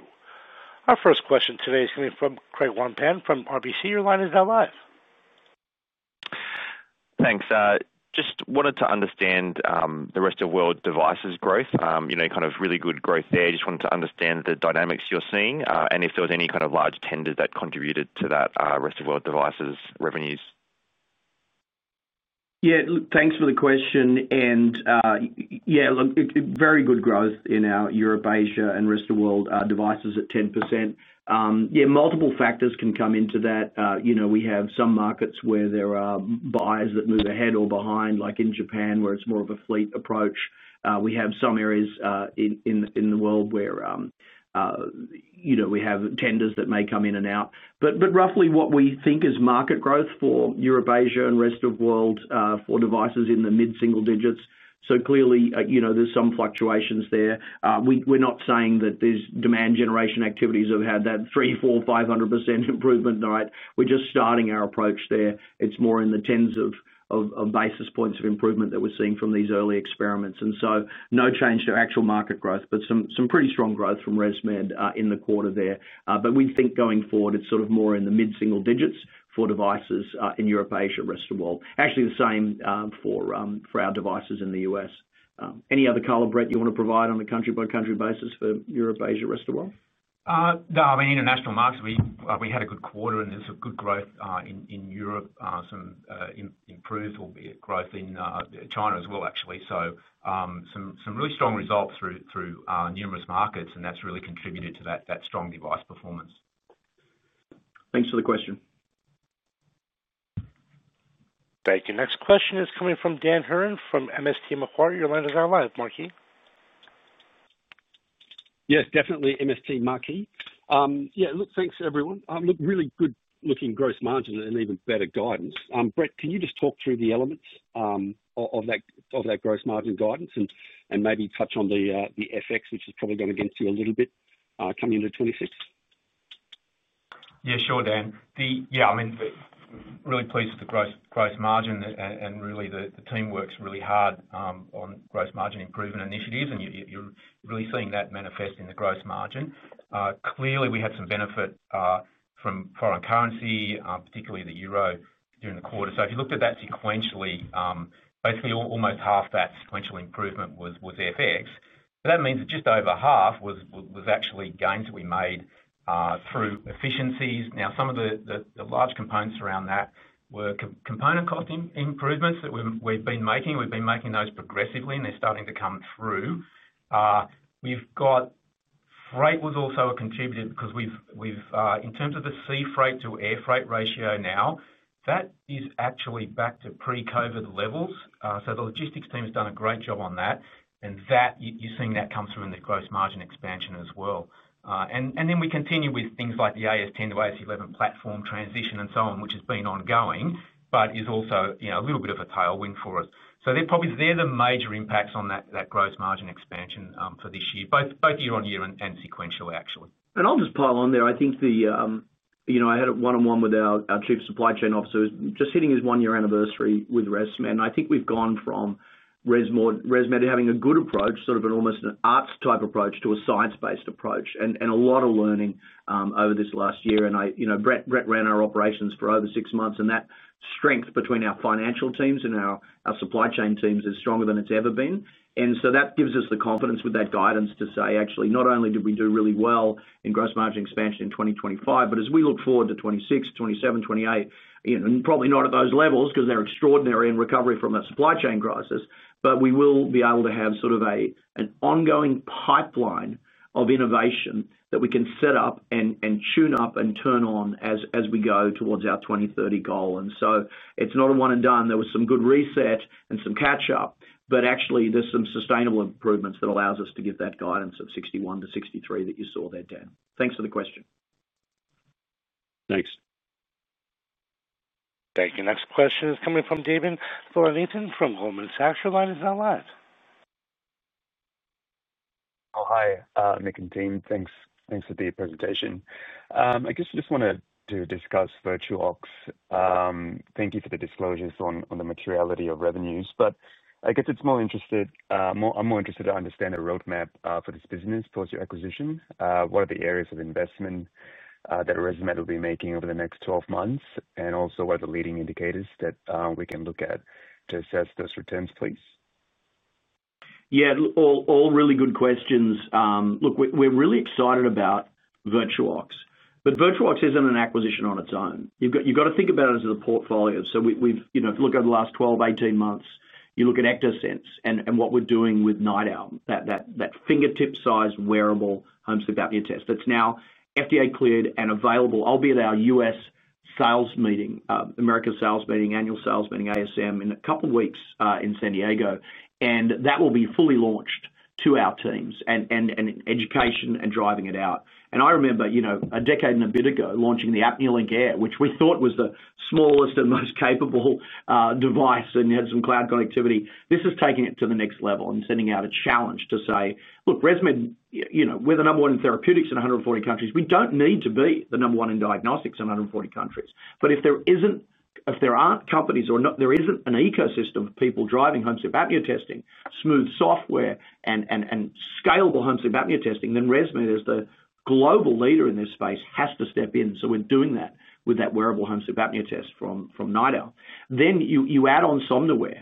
Our first question today is coming from Craig Wong-Pan from RBC. Your line is now live. Thanks. Just wanted to understand the rest of world devices growth. You know, kind of really good growth there. Just wanted to understand the dynamics you're seeing and if there was any kind of large tender that contributed to that rest of world devices revenues. Yeah, thanks for the question. Yeah, look, very good growth in our Europe, Asia, and rest of the world devices at 10%. Multiple factors can come into that. You know, we have some markets where there are buyers that move ahead or behind, like in Japan where it's more of a fleet approach. We have some areas in the world where we have tenders that may come in and out, but roughly what we think is market growth for Europe, Asia, and rest of world for devices in the mid single digits. Clearly, there's some fluctuations there. We're not saying that these demand generation activities have had that 3, 4, 500% improvement. We're just starting our approach there. It's more in the tens of basis points of improvement that we're seeing from these early experiments. No change to actual market growth, but some pretty strong growth from ResMed in the quarter there. We think going forward it's sort of more in the mid single digits for devices in Europe, Asia, rest of the world. Actually, the same for our devices in the U.S. Any other color, Brett, you want to provide on a country by country basis for Europe, Asia, rest of the world? No, I mean international markets. We had a good quarter, and there's good growth in Europe, some improved, albeit growth in China as well actually. Some really strong results through numerous markets have really contributed to that strong device performance. Thanks for the question. Thank you. Next question is coming from Dan Hurren from MST Marquee. Your line is now live. Yes, definitely MST Marquee. Yeah, look, thanks everyone. Look, really good looking gross margin and even better guidance. Brett, can you just talk through the elements of that gross margin guidance and maybe touch on the FX which has probably gone against you a little bit coming into 2026. Yeah, sure Dan. Yeah, I mean really pleased with the gross margin, and really the team works really hard on gross margin improvement initiatives, and you're really seeing that manifest in the gross margin. Clearly, we had some benefit from foreign currency, particularly the EUR during the quarter. If you looked at that sequentially, basically almost half that sequential improvement was FX. That means that just over half was actually gains that we made through efficiencies. Now, some of the large components around that were component cost improvements that we've been making. We've been making those progressively, and they're starting to come through. We've got freight was also a contributor because in terms of the sea freight to air freight ratio, now that is actually back to pre-COVID levels. The logistics team has done a great job on that, and you're seeing that come through in the gross margin expansion as well. We continue with things like the AirSense 10 to AirSense 11 platform transition and so on, which has been ongoing but is also a little bit of a tailwind for us. They're the major impacts on that gross margin expansion for this year, both year on year and sequentially actually. I'll just pile on there. I think I had a one on one with our Chief Supply Chain Officer just hitting his one year anniversary with ResMed and I think we've gone from ResMed having a good approach, sort of an almost an arts type approach to a science based approach and a lot of learning over this last year. Brett ran our operations for over six months and that strength between our financial teams and our supply chain teams is stronger than it's ever been. That gives us the confidence with that guidance to say actually not only did we do really well in gross margin expansion in 2025, but as we look forward to 2026, 2027, 2028, probably not at those levels because they're extraordinary in recovery from a supply chain crisis. We will be able to have sort of an ongoing pipeline of innovation that we can set up and tune up and turn on as we go towards our 2030 goal. It's not a one and done, some good reset and some catch up, but actually there's some sustainable improvements that allows us to give that guidance of 61%-63% that you saw there. Dan, thanks for the question. Thank you. Next question is coming from Davin Thillainathan from Goldman Sachs. Your line is now live. Hi Mick and team, thanks. Thanks for the presentation. I guess I just want to discuss VirtuOx. Thank you for the disclosures on the materiality of revenues, but I'm more interested to. Understand the roadmap for this business towards your acquisition. What are the areas of investment that ResMed will be making over the next 12 months, and also what are the. Leading indicators that we can look at. To assess those returns, please. Yeah, all really good questions. Look, we're really excited about VirtuOx, but VirtuOx isn't an acquisition on its own. You've got to think about it as a portfolio. If you look over the last 12, 18 months, you look at Ectosense and what we're doing with NightOwl, that fingertip-sized wearable home sleep apnea test that's now FDA cleared and available. I'll be at our U.S. sales meeting, America sales meeting, annual sales meeting, ASM, in a couple of weeks in San Diego, and that will be fully launched to our teams and education and driving it out. I remember a decade and a bit ago launching the ApneaLink Air, which we thought was the smallest and most capable device and had some cloud connectivity. This is taking it to the next level and sending out a challenge to say, look, ResMed, we're the number one in therapeutics in 140 countries. We don't need to be the number one in diagnostics in 140 countries. If there aren't companies or there isn't an ecosystem of people driving home sleep apnea testing, smooth software, and scalable home sleep apnea testing, then ResMed, as the global leader in this space, has to step in. We're doing that with that wearable home sleep apnea test from NightOwl. Then you add on Somnoware,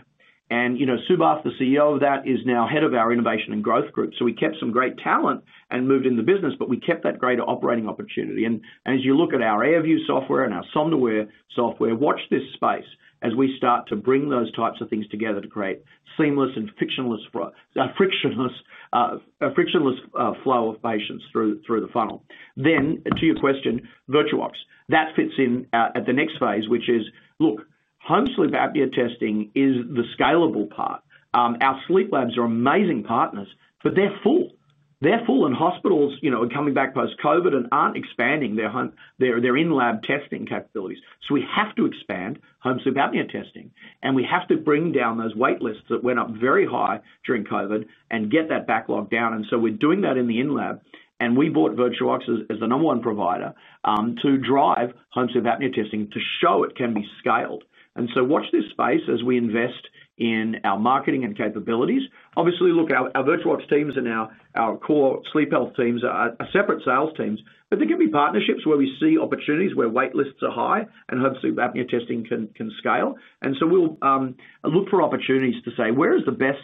and Subath, the CEO of that, is now head of our innovation and growth group. We kept some great talent and moved in the business, but we kept that greater operating opportunity. As you look at our AirView software and our Somnoware software, watch this space as we start to bring those types of things together to create seamless and frictionless flow of patients through the funnel. To your question, VirtuOx fits in at the next phase, which is, look, home sleep apnea testing is the scalable part. Our sleep labs are amazing partners, but they're full. They're full, and hospitals are coming back post-COVID and aren't expanding their in-lab testing capabilities. We have to expand home sleep apnea testing. We have to bring down those wait lists that went up very high during COVID and get that backlog down. We're doing that in the in-lab. We bought VirtuOx as the number one provider to drive home sleep apnea testing to show it can be scaled. Watch this space as we invest in our marketing and capabilities. Obviously, look, our VirtuOx teams and our core sleep health teams are separate sales teams, but there can be partnerships where we see opportunities where wait lists are high and home sleep apnea testing can scale. We'll look for opportunities to say where is the best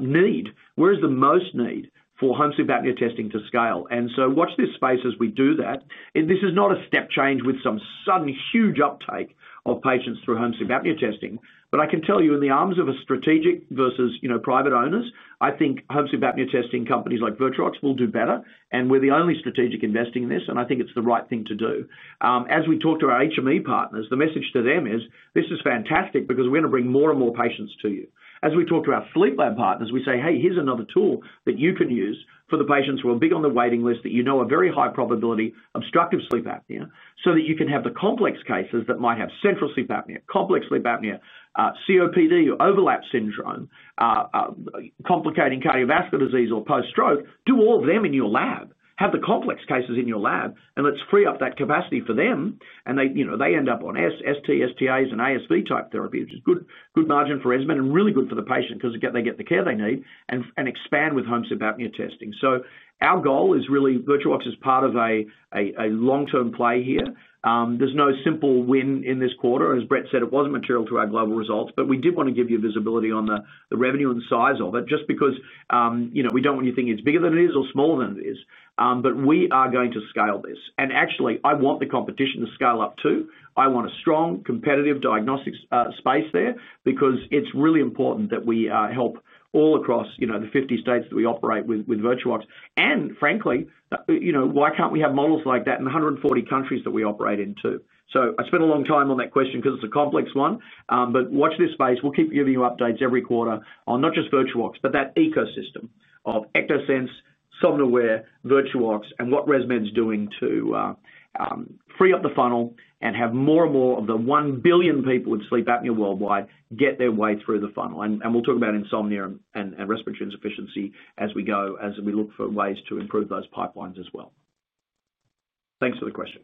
need, where is the most need for home sleep apnea testing to scale. Watch this space as we do that. This is not a step change with some sudden huge uptake of patients through home sleep apnea testing. I can tell you in the arms of a strategic versus private owners, I think home sleep apnea testing companies like VirtuOx will do better. We're the only strategic investing in this and I think it's the right thing to do. As we talk to our HME partners, the message to them is this is fantastic because we're going to bring more and more patients to you. As we talk to our sleep lab partners, we say, hey, here's another tool that you can use for the patients who are big on the waiting list that you know are very high probability obstructive sleep apnea so that you can have the complex cases that might have central sleep apnea, complex sleep apnea, COPD or overlap syndrome, complicating cardiovascular disease or post stroke. Do all of them in your lab, have the complex cases in your lab and let's free up that capacity for them and they end up on ST, ST-A and ASV type therapy, which is good margin for ResMed and really good for the patient because they get the care they need and expand with home sleep apnea testing. Our goal is really VirtuOx is part of a long term play here. There's no simple win in this quarter. As Brett said, it wasn't material to our global results, but we did want to give you visibility on the revenue and size of it just because, you know, we don't want you thinking it's bigger than it is or smaller than it is. We are going to scale this. I want the competition to scale up too. I want a strong competitive diagnostic space there because it's really important that we help all across the 50 states that we operate with VirtuOx and frankly, why can't we have models like that in 140 countries that we operate in too? I spent a long time on that question because it's a complex one. Watch this space. We'll keep giving you updates every quarter on not just VirtuOx but that ecosystem of Ectosense, Somnoware, VirtuOx, and what ResMed is doing to free up the funnel and have more and more of the 1 billion people with sleep apnea worldwide get their way through the funnel. We'll talk about insomnia and respiratory insufficiency as we go as we look for ways to improve those pipelines as well. Thanks for the question.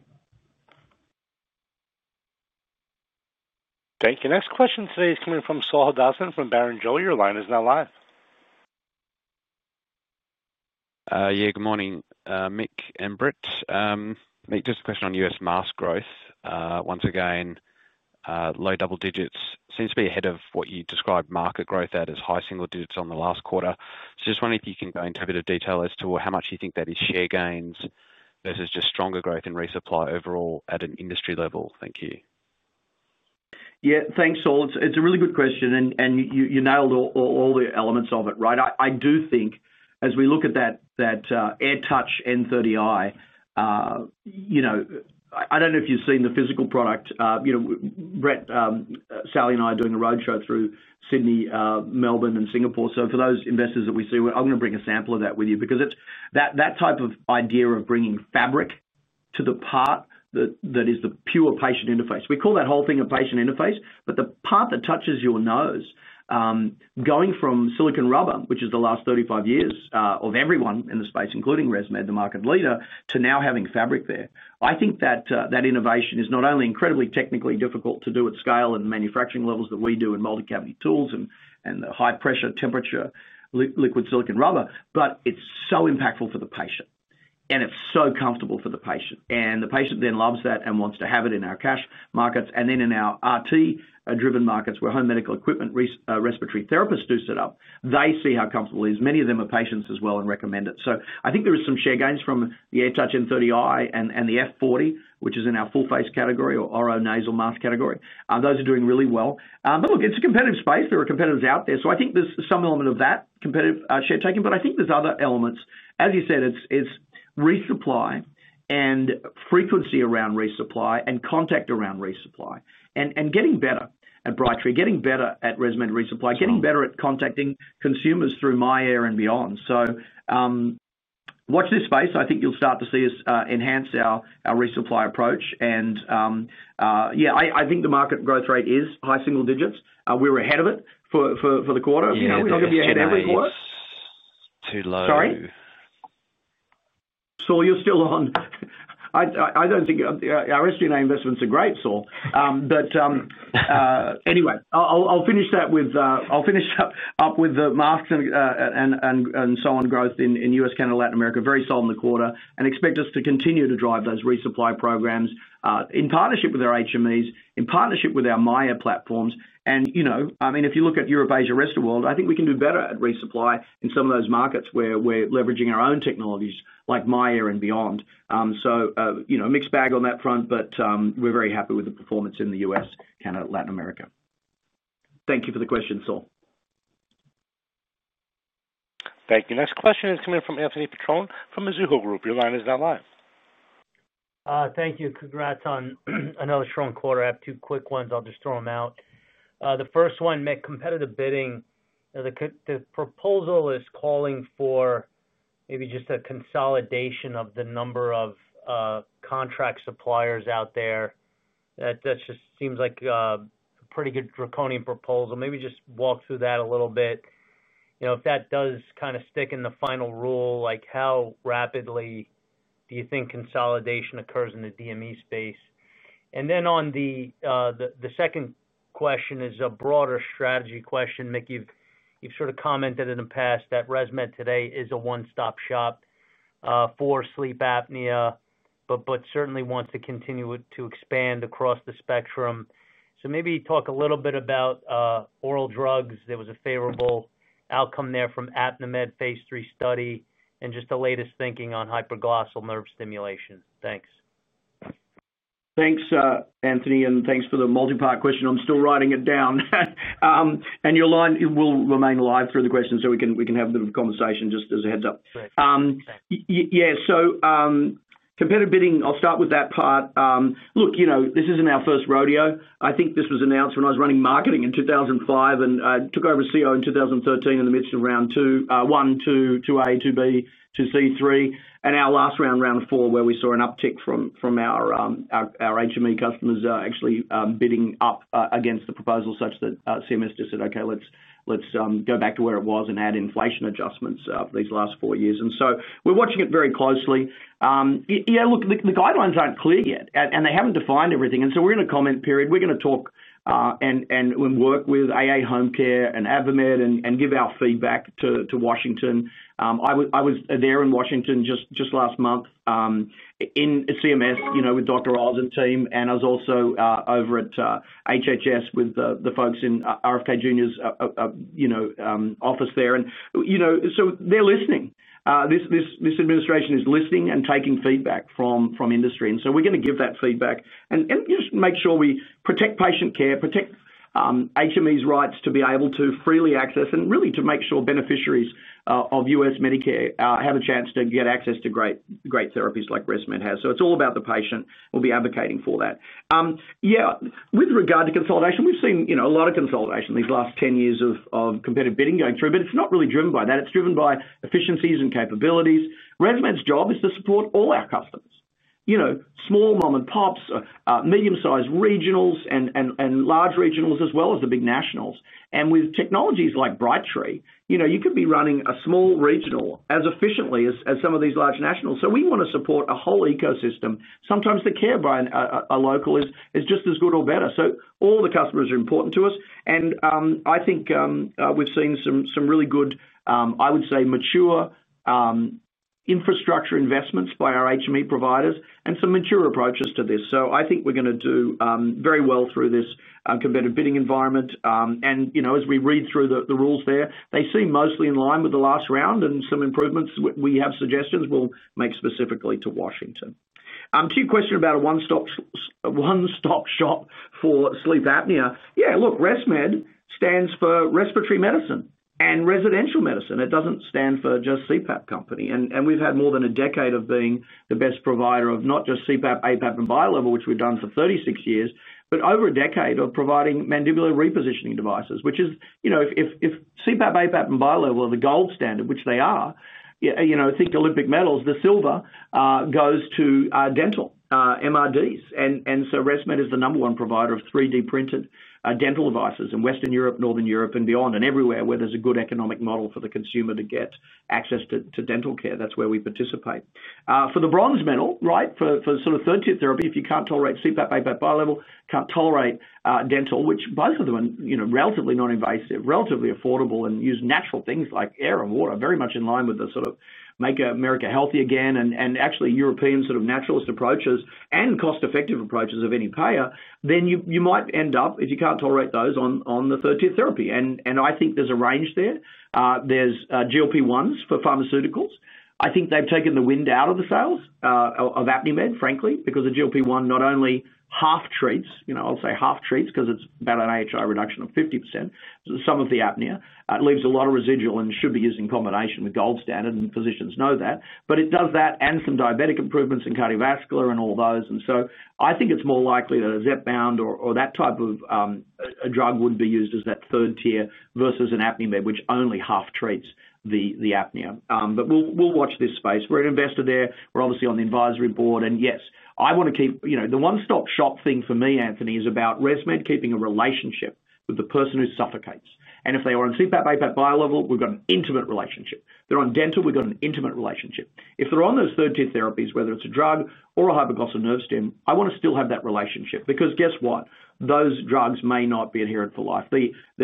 Thank you. Next question today is coming from Saul Hadassin from Barrenjoey, your line is now live. Yeah, good morning Mick and Brett. Mick, just a question on US Mask. Growth once again, low double digits, seems. To be ahead of what you described, market growth at as high single digits on the last quarter. I'm just wondering if you can go into a bit of detail as to how much you think that is, share gains versus just stronger growth in. Resupply overall at an industry level. Thank you. Yeah, thanks Saul. It's a really good question and you nailed all the elements of it, right? I do think as we look at that AirTouch N30i, you know, I don't know if you've seen the physical product. You know, Brett, Salli and I are doing a roadshow through Sydney, Melbourne, and Singapore. For those investors that we see, I'm going to bring a sample of that with you because it's that type of idea of bringing fabric to the part that is the pure patient interface. We call that whole thing a patient interface, but the part that touches your nose, going from silicone rubber, which is the last 35 years of everyone in the space, including ResMed, the market leader, to now having fabric there. I think that innovation is not only incredibly technically difficult to do at scale and manufacturing levels that we do in multi-cavity tools and the high-pressure temperature liquid silicone rubber, but it's so impactful for the patient and it's so comfortable for the patient and the patient then loves that and wants to have it in our cash markets and then in our RT-driven markets where home medical equipment, respiratory therapists do set up, they see how comfortable it is. Many of them are patients as well and recommend it. I think there is some share gains from the AirTouch N30i and the AirFit F40, which is in our full face category or oronasal mask category. Those are doing really well. It's a competitive space. There are competitors out there. I think there's some element of that competitive share taking. I think there's other elements. As you said, it's resupply and frequency around resupply and contact around resupply and getting better at Brightree, getting better at ResMed resupply, getting better at contacting consumers through MyAir and beyond. Watch this space. I think you'll start to see us enhance our resupply approach. I think the market growth rate is high single digits. We were ahead of it for the quarter. We're not going to be ahead every quarter. Sorry, Saul, you're still on. I don't think our SG&A investments are great, Saul, but anyway, I'll finish up with the masks and so on. Growth in U.S., Canada, Latin America, very solid in the quarter and expect us to continue to drive those resupply programs in partnership with our HMEs, in partnership with our MyAir platforms. If you look at Europe, Asia, rest of the world, I think we can do better at resupply in some of those markets where we're leveraging our own technologies like MyAir and beyond. Mixed bag on that front, but we're very happy with the performance in the U.S., Canada, Latin America. Thank you for the question, Saul. Thank you. Next question is coming from Anthony Petrone from Mizuho Group. Your line is now live. Thank you. Congrats on another strong quarter. I have two quick ones. I'll just throw them out. The first one, competitive bidding. The proposal is calling for maybe just a consolidation of the number of contract suppliers out there. That just seems like a pretty good draconian proposal. Maybe just walk through that a little bit. If that does kind of stick in the final rule, how rapidly do you think consolidation occurs in the DME space? The second question is a broader strategy question. Mick, you've sort of commented in the past that ResMed today is a one stop shop for sleep apnea, but certainly wants to continue to expand across the spectrum. Maybe talk a little bit about oral drugs. There was a favorable outcome there from ApneaMed phase three study and just the latest thinking on hypoglossal nerve stimulation. Thanks. Thanks, Anthony, and thanks for the multipart question. I'm still writing it down. Your line will remain live through the question so we can have a bit of conversation just as a heads up. Competitive bidding, I'll start with that part. This isn't our first rodeo. I think this was announced when I was running marketing in 2005 and took over CEO in 2013 in the middle, switched to round one, two A, two B, to C3, and our last round, round four, where we saw an uptick from our HME customers actually bidding up against the proposal such that CMS just said OK, let's go back to where it was and add inflation adjustments these last four years. We're watching it very closely. The guidelines aren't clear yet and they haven't defined everything. We're in a comment period. We're going to talk and work with AAHomeCare and AdvaMed and give our feedback to Washington. I was there in Washington just last month in CMS with Dr. Oz and team and I was also over at HHS with the folks in RFK Junior's office there. They're listening, this administration is listening and taking feedback from industry. We are going to give that feedback and make sure we protect patient care, protect HMEs' rights to be able to freely access and really to make sure beneficiaries of U.S. Medicare have a chance to get access to great therapies like ResMed has. It is all about the patient. We will be advocating for that. Yeah. With regard to consolidation, we have seen a lot of consolidation these last 10 years of competitive bidding going through, but it is not really driven by that. It is driven by efficiencies and capabilities. ResMed's job is to support all our customers, small mom and pops, medium-sized regionals, and large regionals as well as the big nationals. With technologies like Brightree, you could be running a small regional as efficiently as some of these large nationals. We want to support a whole ecosystem. Sometimes the care by a local is just as good or better. All the customers are important to us and I think we have seen some really good, I would say, mature infrastructure investments by our HME providers and some mature approaches to this. I think we are going to do very well through this competitive bidding environment. As we read through the rules there, they seem mostly in line with the last round and some improvements. We have suggestions we will make specifically to Washington to your question about a one stop shop for sleep apnea. Yeah, look, ResMed stands for respiratory medicine and residential medicine. It does not stand for just CPAP Company and we have had more than a decade of being the best provider of not just CPAP, APAP, and Bilevel, which we have done for 36 years, but over a decade of providing mandibular repositioning devices which is, you know, if CPAP, APAP, and Bilevel are the gold standard, which they are, think Olympic medals, the silver goes to dental MRDs. ResMed is the number one provider of 3D printed dental devices in Western Europe, Northern Europe, and beyond and everywhere where there is a good economic model for the consumer to get access to dental care. That is where we participate for the bronze medal, right, for sort of third tip therapy. If you can't tolerate CPAP, Bilevel, can't tolerate dental, which both of them are relatively noninvasive, relatively affordable, and use natural things like air and water, very much in line with the sort of Make America Healthy Again and actually European sort of naturalist approaches and cost-effective approaches of any payer, then you might end up, if you can't tolerate those, on the third tier therapy. I think there's a range there. There's GLP-1s for pharmaceuticals. I think they've taken the wind out of the sails of ApneaMed, frankly, because the GLP-1 not only half treats, you know, I'll say half treats because it's about an AHI reduction of 50%. Some of the apnea leaves a lot of residual and should be used in combination with gold standard, and physicians know that, but it does that and some diabetic improvements in cardiovascular and all those. I think it's more likely that a Zepbound or that type of drug would be used as that third tier versus an ApneaMed, which only half treats the apnea. We'll watch this space. We're an investor there, we're obviously on the advisory board. Yes, I want to keep, you know, the one-stop shop thing for me, Anthony, is about ResMed keeping a relationship with the person who suffocates. If they are on CPAP, Bilevel, we've got an intimate relationship; they're on dental, we've got an intimate relationship. If they're on those third tier therapies, whether it's a drug or a hypoglossal nerve stim, I want to still have that relationship because guess what, those drugs may not be adherent for life.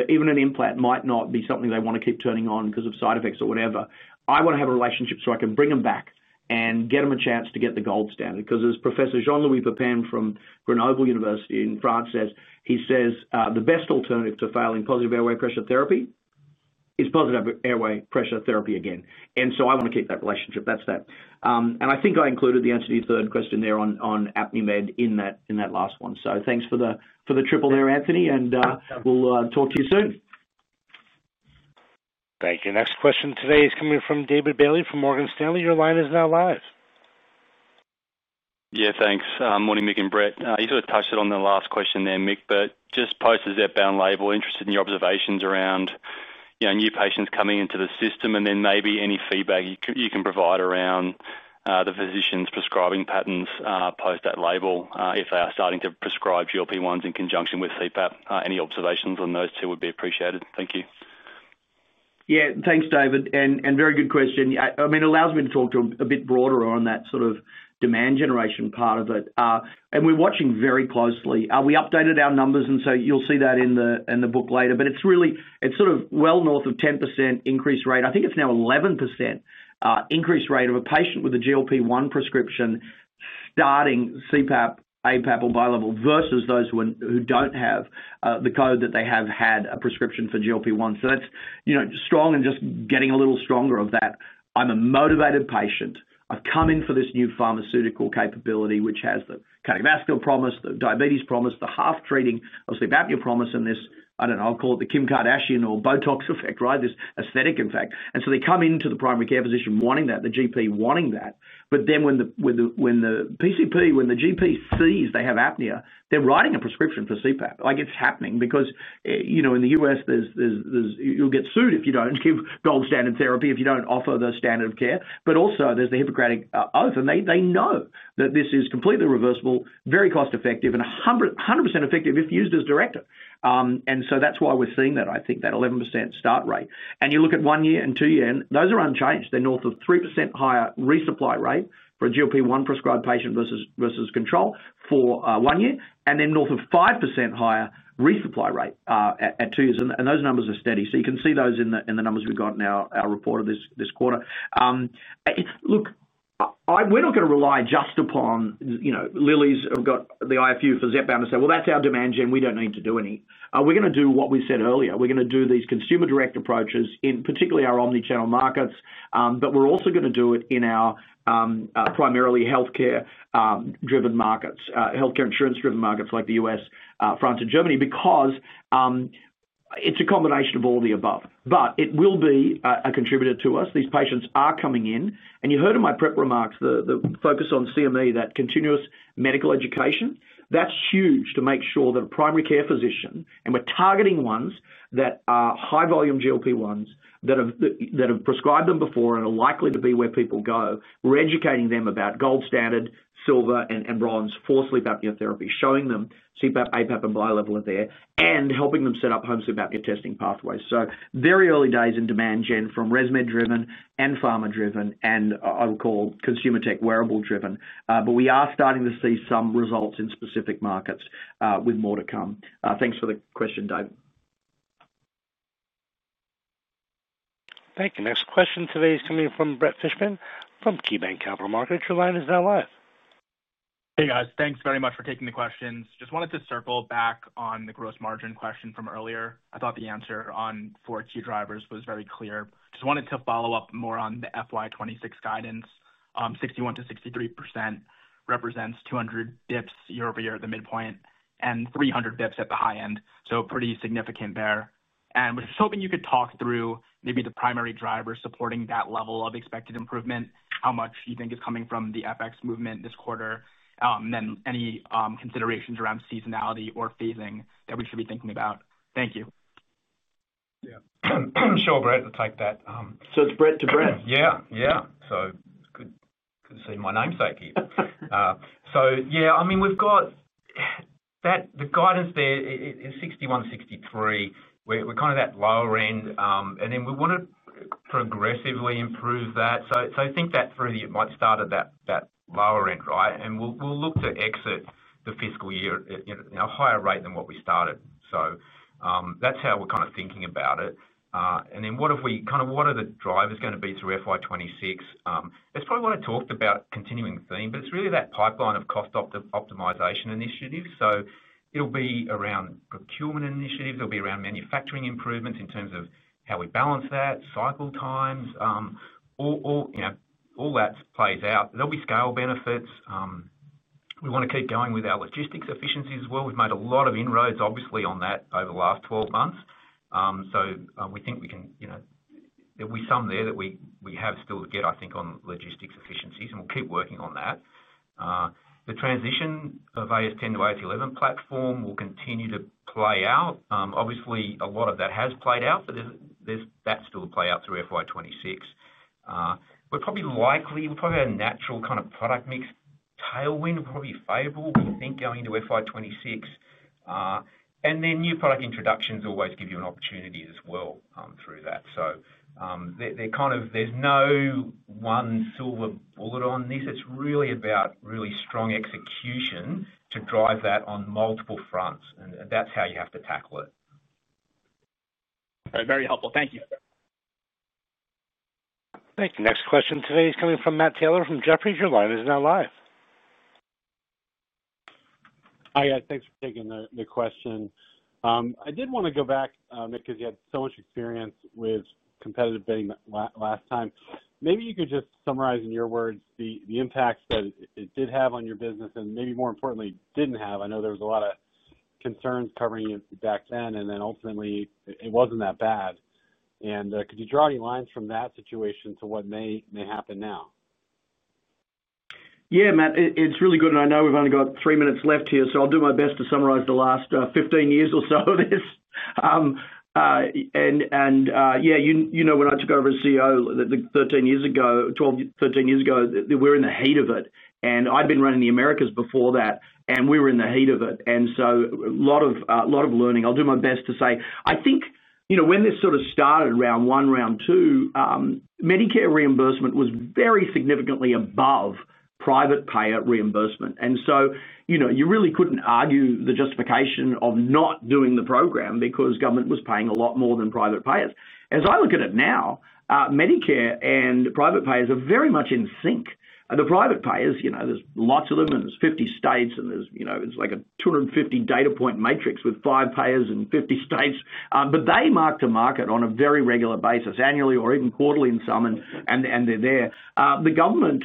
Even an implant might not be something they want to keep turning on because of side effects or whatever. I want to have a relationship so I can bring them back and get them a chance to get the gold standard. As Professor Jean Louis Pepin from Grenoble University in France says, he says the best alternative to failing positive airway pressure therapy is positive airway pressure therapy again. I want to keep that relationship. That's that. I think I included the answer to your third question there on ApneaMed in that last one. Thanks for the triple there, Anthony, and we'll talk to you soon. Thank you. Next question today is coming from David Bailey from Morgan Stanley. Your line is now live. Yeah, thanks. Morning, Mick and Brett. You sort of touched it on the last question there, Mick, but just post the Zepbound label. Interested in your observations around new patients coming into the system? Maybe any feedback you can provide around the physician's prescribing patterns, post that label. If they are starting to prescribe GLP-1s in conjunction with CPAP, any observations on those two would be appreciated. Thank you. Yeah, thanks, David. Very good question. It allows me to talk a bit broader on that sort of demand generation part of it. We're watching very closely, we updated our numbers and you'll see that in the book later, but it's really well north of 10% increase rate. I think it's now 11% increase rate of a patient with a GLP-1 prescription starting CPAP, APAP or Bi-level versus those who don't have the code that they have had a prescription for GLP-1. That's strong and just getting a little stronger of that. I'm a motivated patient. I've come in for this new pharmaceutical capability which has the cardiovascular promise, the diabetes promise, the half treating of sleep apnea promise, and this, I don't know, I'll call it the Kim Kardashian or Botox effect, right? This aesthetic effect. They come into the primary care physician wanting that, the GP wanting that. When the PCP, when the GP sees they have apnea, they're writing a prescription for CPAP like it's happening. In the U.S. you'll get sued if you don't give gold standard therapy, if you don't offer the standard of care. There's the Hippocratic oath and they know that this is completely reversible, very cost effective and 100% effective if used as directed. That's why we're seeing that, I think that 11% start rate and you look at one year and two year those are unchanged. They're north of 3% higher resupply rate for a GLP-1 prescribed patient versus control for one year and then north of 5% higher resupply rate at two years. Those numbers are steady. You can see those in the numbers we've got in our report for this quarter. Look, we're not going to rely just upon Lilly's have got the IFU for Zepbound to say that's our demand gen, we don't need to do any. We're going to do what we said earlier. We're going to do these consumer direct approaches in particularly our omnichannel markets but we're also going to do it in our primarily healthcare driven markets, healthcare insurance driven markets like the U.S. France and Germany because it's a combination of all the above, but it will be a contributor to us. These patients are coming in, and you heard in my prep remarks the focus on CME, that continuous medical education. That's huge to make sure that a primary care physician, and we're targeting ones that are high volume GLP-1s that have prescribed them before and are likely to be where people go. We're educating them about gold standard, silver, and bronze for sleep apnea therapy, showing them CPAP, APAP, and Bilevel are there, and helping them set up home sleep apnea testing pathways. Very early days in demand gen from ResMed driven and pharma driven, and I would call consumer tech wearable driven. We are starting to see some results in specific markets with more to come. Thanks for the question, David. Thank you. Next question today is coming from Brett Fishbin from KeyBanc Capital Markets. Your line is now live. Hey guys, thanks very much for taking the questions. I just wanted to circle back on the. Gross margin question from earlier. I thought the answer on four key drivers was very clear. Just wanted to follow up more on the FY 2026 guidance. 61%-63% represents 200 bps year-over-year at the midpoint and 300 bps at the high end. Pretty significant there. We are just hoping you could talk. Through maybe the primary driver supporting that. Level of expected improvement. How much you think is coming from? The FX movement this quarter than any. Considerations around seasonality or phasing that we should be thinking about. Thank you. Sure, Brett, I'll take that. It's Brett to Brett. Yeah, yeah, so could see my namesake here. We've got that, the guidance there is 61%, 63%. We're kind of at that lower end and then we want to progressively improve that. Think that through. It might start at that lower end, right, and we'll look to exit the fiscal year at a higher rate than what we started. That's how we're kind of thinking about it. What are the drivers going to be through FY 2026? It's probably what I talked about, continuing theme, but it's really that pipeline of cost optimization initiatives. It'll be around procurement initiatives, it'll be around manufacturing improvements. In terms of how we balance that, cycle times, all that plays out. There'll be scale benefits. We want to keep going with our logistics efficiencies as well. We've made a lot of inroads obviously on that over the last 12 months. We think we can, you know, there will be some there that we have still to get, I think, on logistics efficiencies and we'll keep working on that. The transition of AirSense 10 to AirSense 11 platform will continue to play out. Obviously a lot of that has played out, but that will still play out through FY 2026. We're probably likely, we'll probably have a natural kind of product mix tailwind, probably favorable, we think, going to FY 2026, and then new product introductions always give you an opportunity as well through that. There's no one silver bullet on this. It's really about really strong execution to drive that on multiple fronts and that's. How you have to tackle it. Very helpful. Thank you. Thank you. Next question today is coming from Matt Taylor from Jefferies. Your line is now live. Hi. Thanks for taking the question. I did want to go back because you had so much experience with competitive bidding last time, maybe you could just summarize in your words the impact that it did have on your business and maybe more importantly didn't have. I know there was a lot of concerns covering it back then and ultimately it wasn't that bad. Could you draw any lines from that situation to what may happen now? Yeah, Matt, it's really good. I know we've only got three minutes left here, so I'll do my best to summarize the last 15 years or so of this. When I took over as CEO 13 years ago, 12, 13 years ago, we were in the heat of it and I'd been running the Americas before that and we were in the heat of it, so a lot of learning. I'll do my best to say, I think when this sort of started round one, round two, Medicare reimbursement was very significantly above private payer reimbursement. You really couldn't argue the justification of not doing the program because government was paying a lot more than private payers. As I look at it now, Medicare and private payers are very much in sync. The private payers, there's lots of them and there's 50 states and it's like a 250 data point matrix with five payers in 50 states, but they mark to market on a very regular basis annually or even quarterly in some. They're there. The government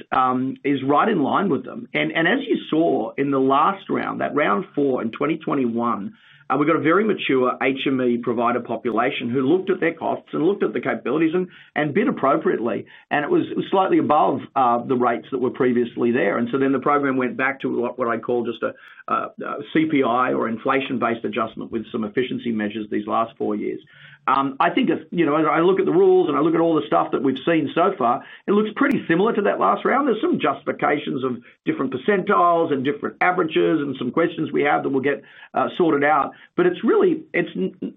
is right in line with them. As you saw in the last round, that round four in 2021, we got a very mature HME provider population who looked at their costs and looked at the capabilities and bid appropriately and it was slightly above the rates that were previously there. The program went back to what I call just a CPI or inflation-based adjustment with some efficiency measures these last four years. I think as I look at the rules and I look at all the stuff that we've seen so far, it looks pretty similar to that last round. There's some justifications of different percentiles and different averages and some questions we have that will get sorted out. It's really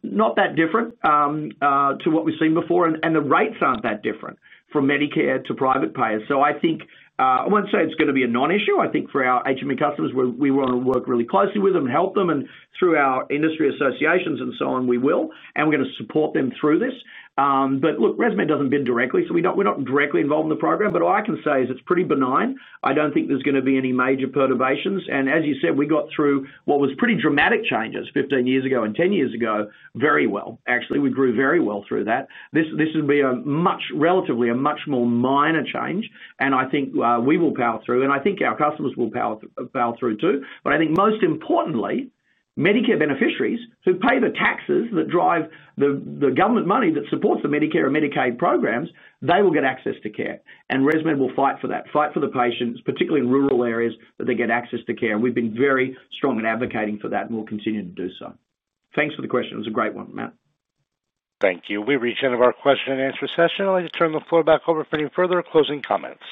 not that different to what we've seen before and the rates aren't that different from Medicare to private payers. I think, I won't say it's going to be a non-issue. I think for our HME customers we want to work really closely with them, help them and through our industry associations and so on we will and we're going to support them through this. Look, ResMed doesn't bid directly so we're not directly involved in the program. All I can say is it's pretty benign. I don't think there's going to be any major perturbations. As you said, we got through what was pretty dramatic changes 15 years ago and 10 years ago very well. Actually we grew very well through that. This would be a much, relatively a much more minor change. I think we will power through and I think our customers will power through too. Most importantly, Medicare beneficiaries who pay the taxes that drive the government money that supports the Medicare and Medicaid programs, they will get access to care and ResMed will fight for that. Fight for the patients, particularly in rural areas that they get access to care, and we've been very strong in advocating for that, and we'll continue to do so. Thanks for the question. It was a great one, Matt. Thank you. We reach the end of our question and answer session. I'd like to turn the floor back over for any further closing comments.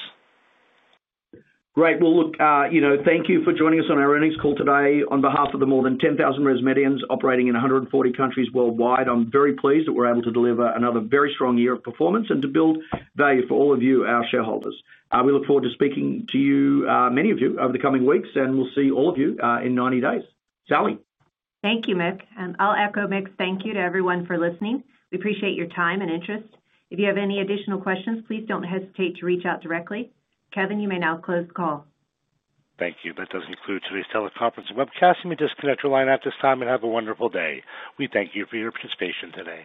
Great. Thank you for joining us on our earnings call today. On behalf of the more than 10,000 ResMedians operating in 140 countries worldwide, I'm very pleased that we're able to deliver another very strong year of performance and to build value for all of you, our shareholders. We look forward to speaking to you, many of you, over the coming weeks, and we'll see all of you in 90 days. Salli, thank you. I'll echo Mick's thank you to everyone for listening. We appreciate your time and interest. If you have any additional questions, please don't hesitate to reach out directly. Kevin, you may now close the call. Thank you. That does conclude today's teleconference. You may disconnect your line at this time and have a wonderful day. We thank you for your participation today.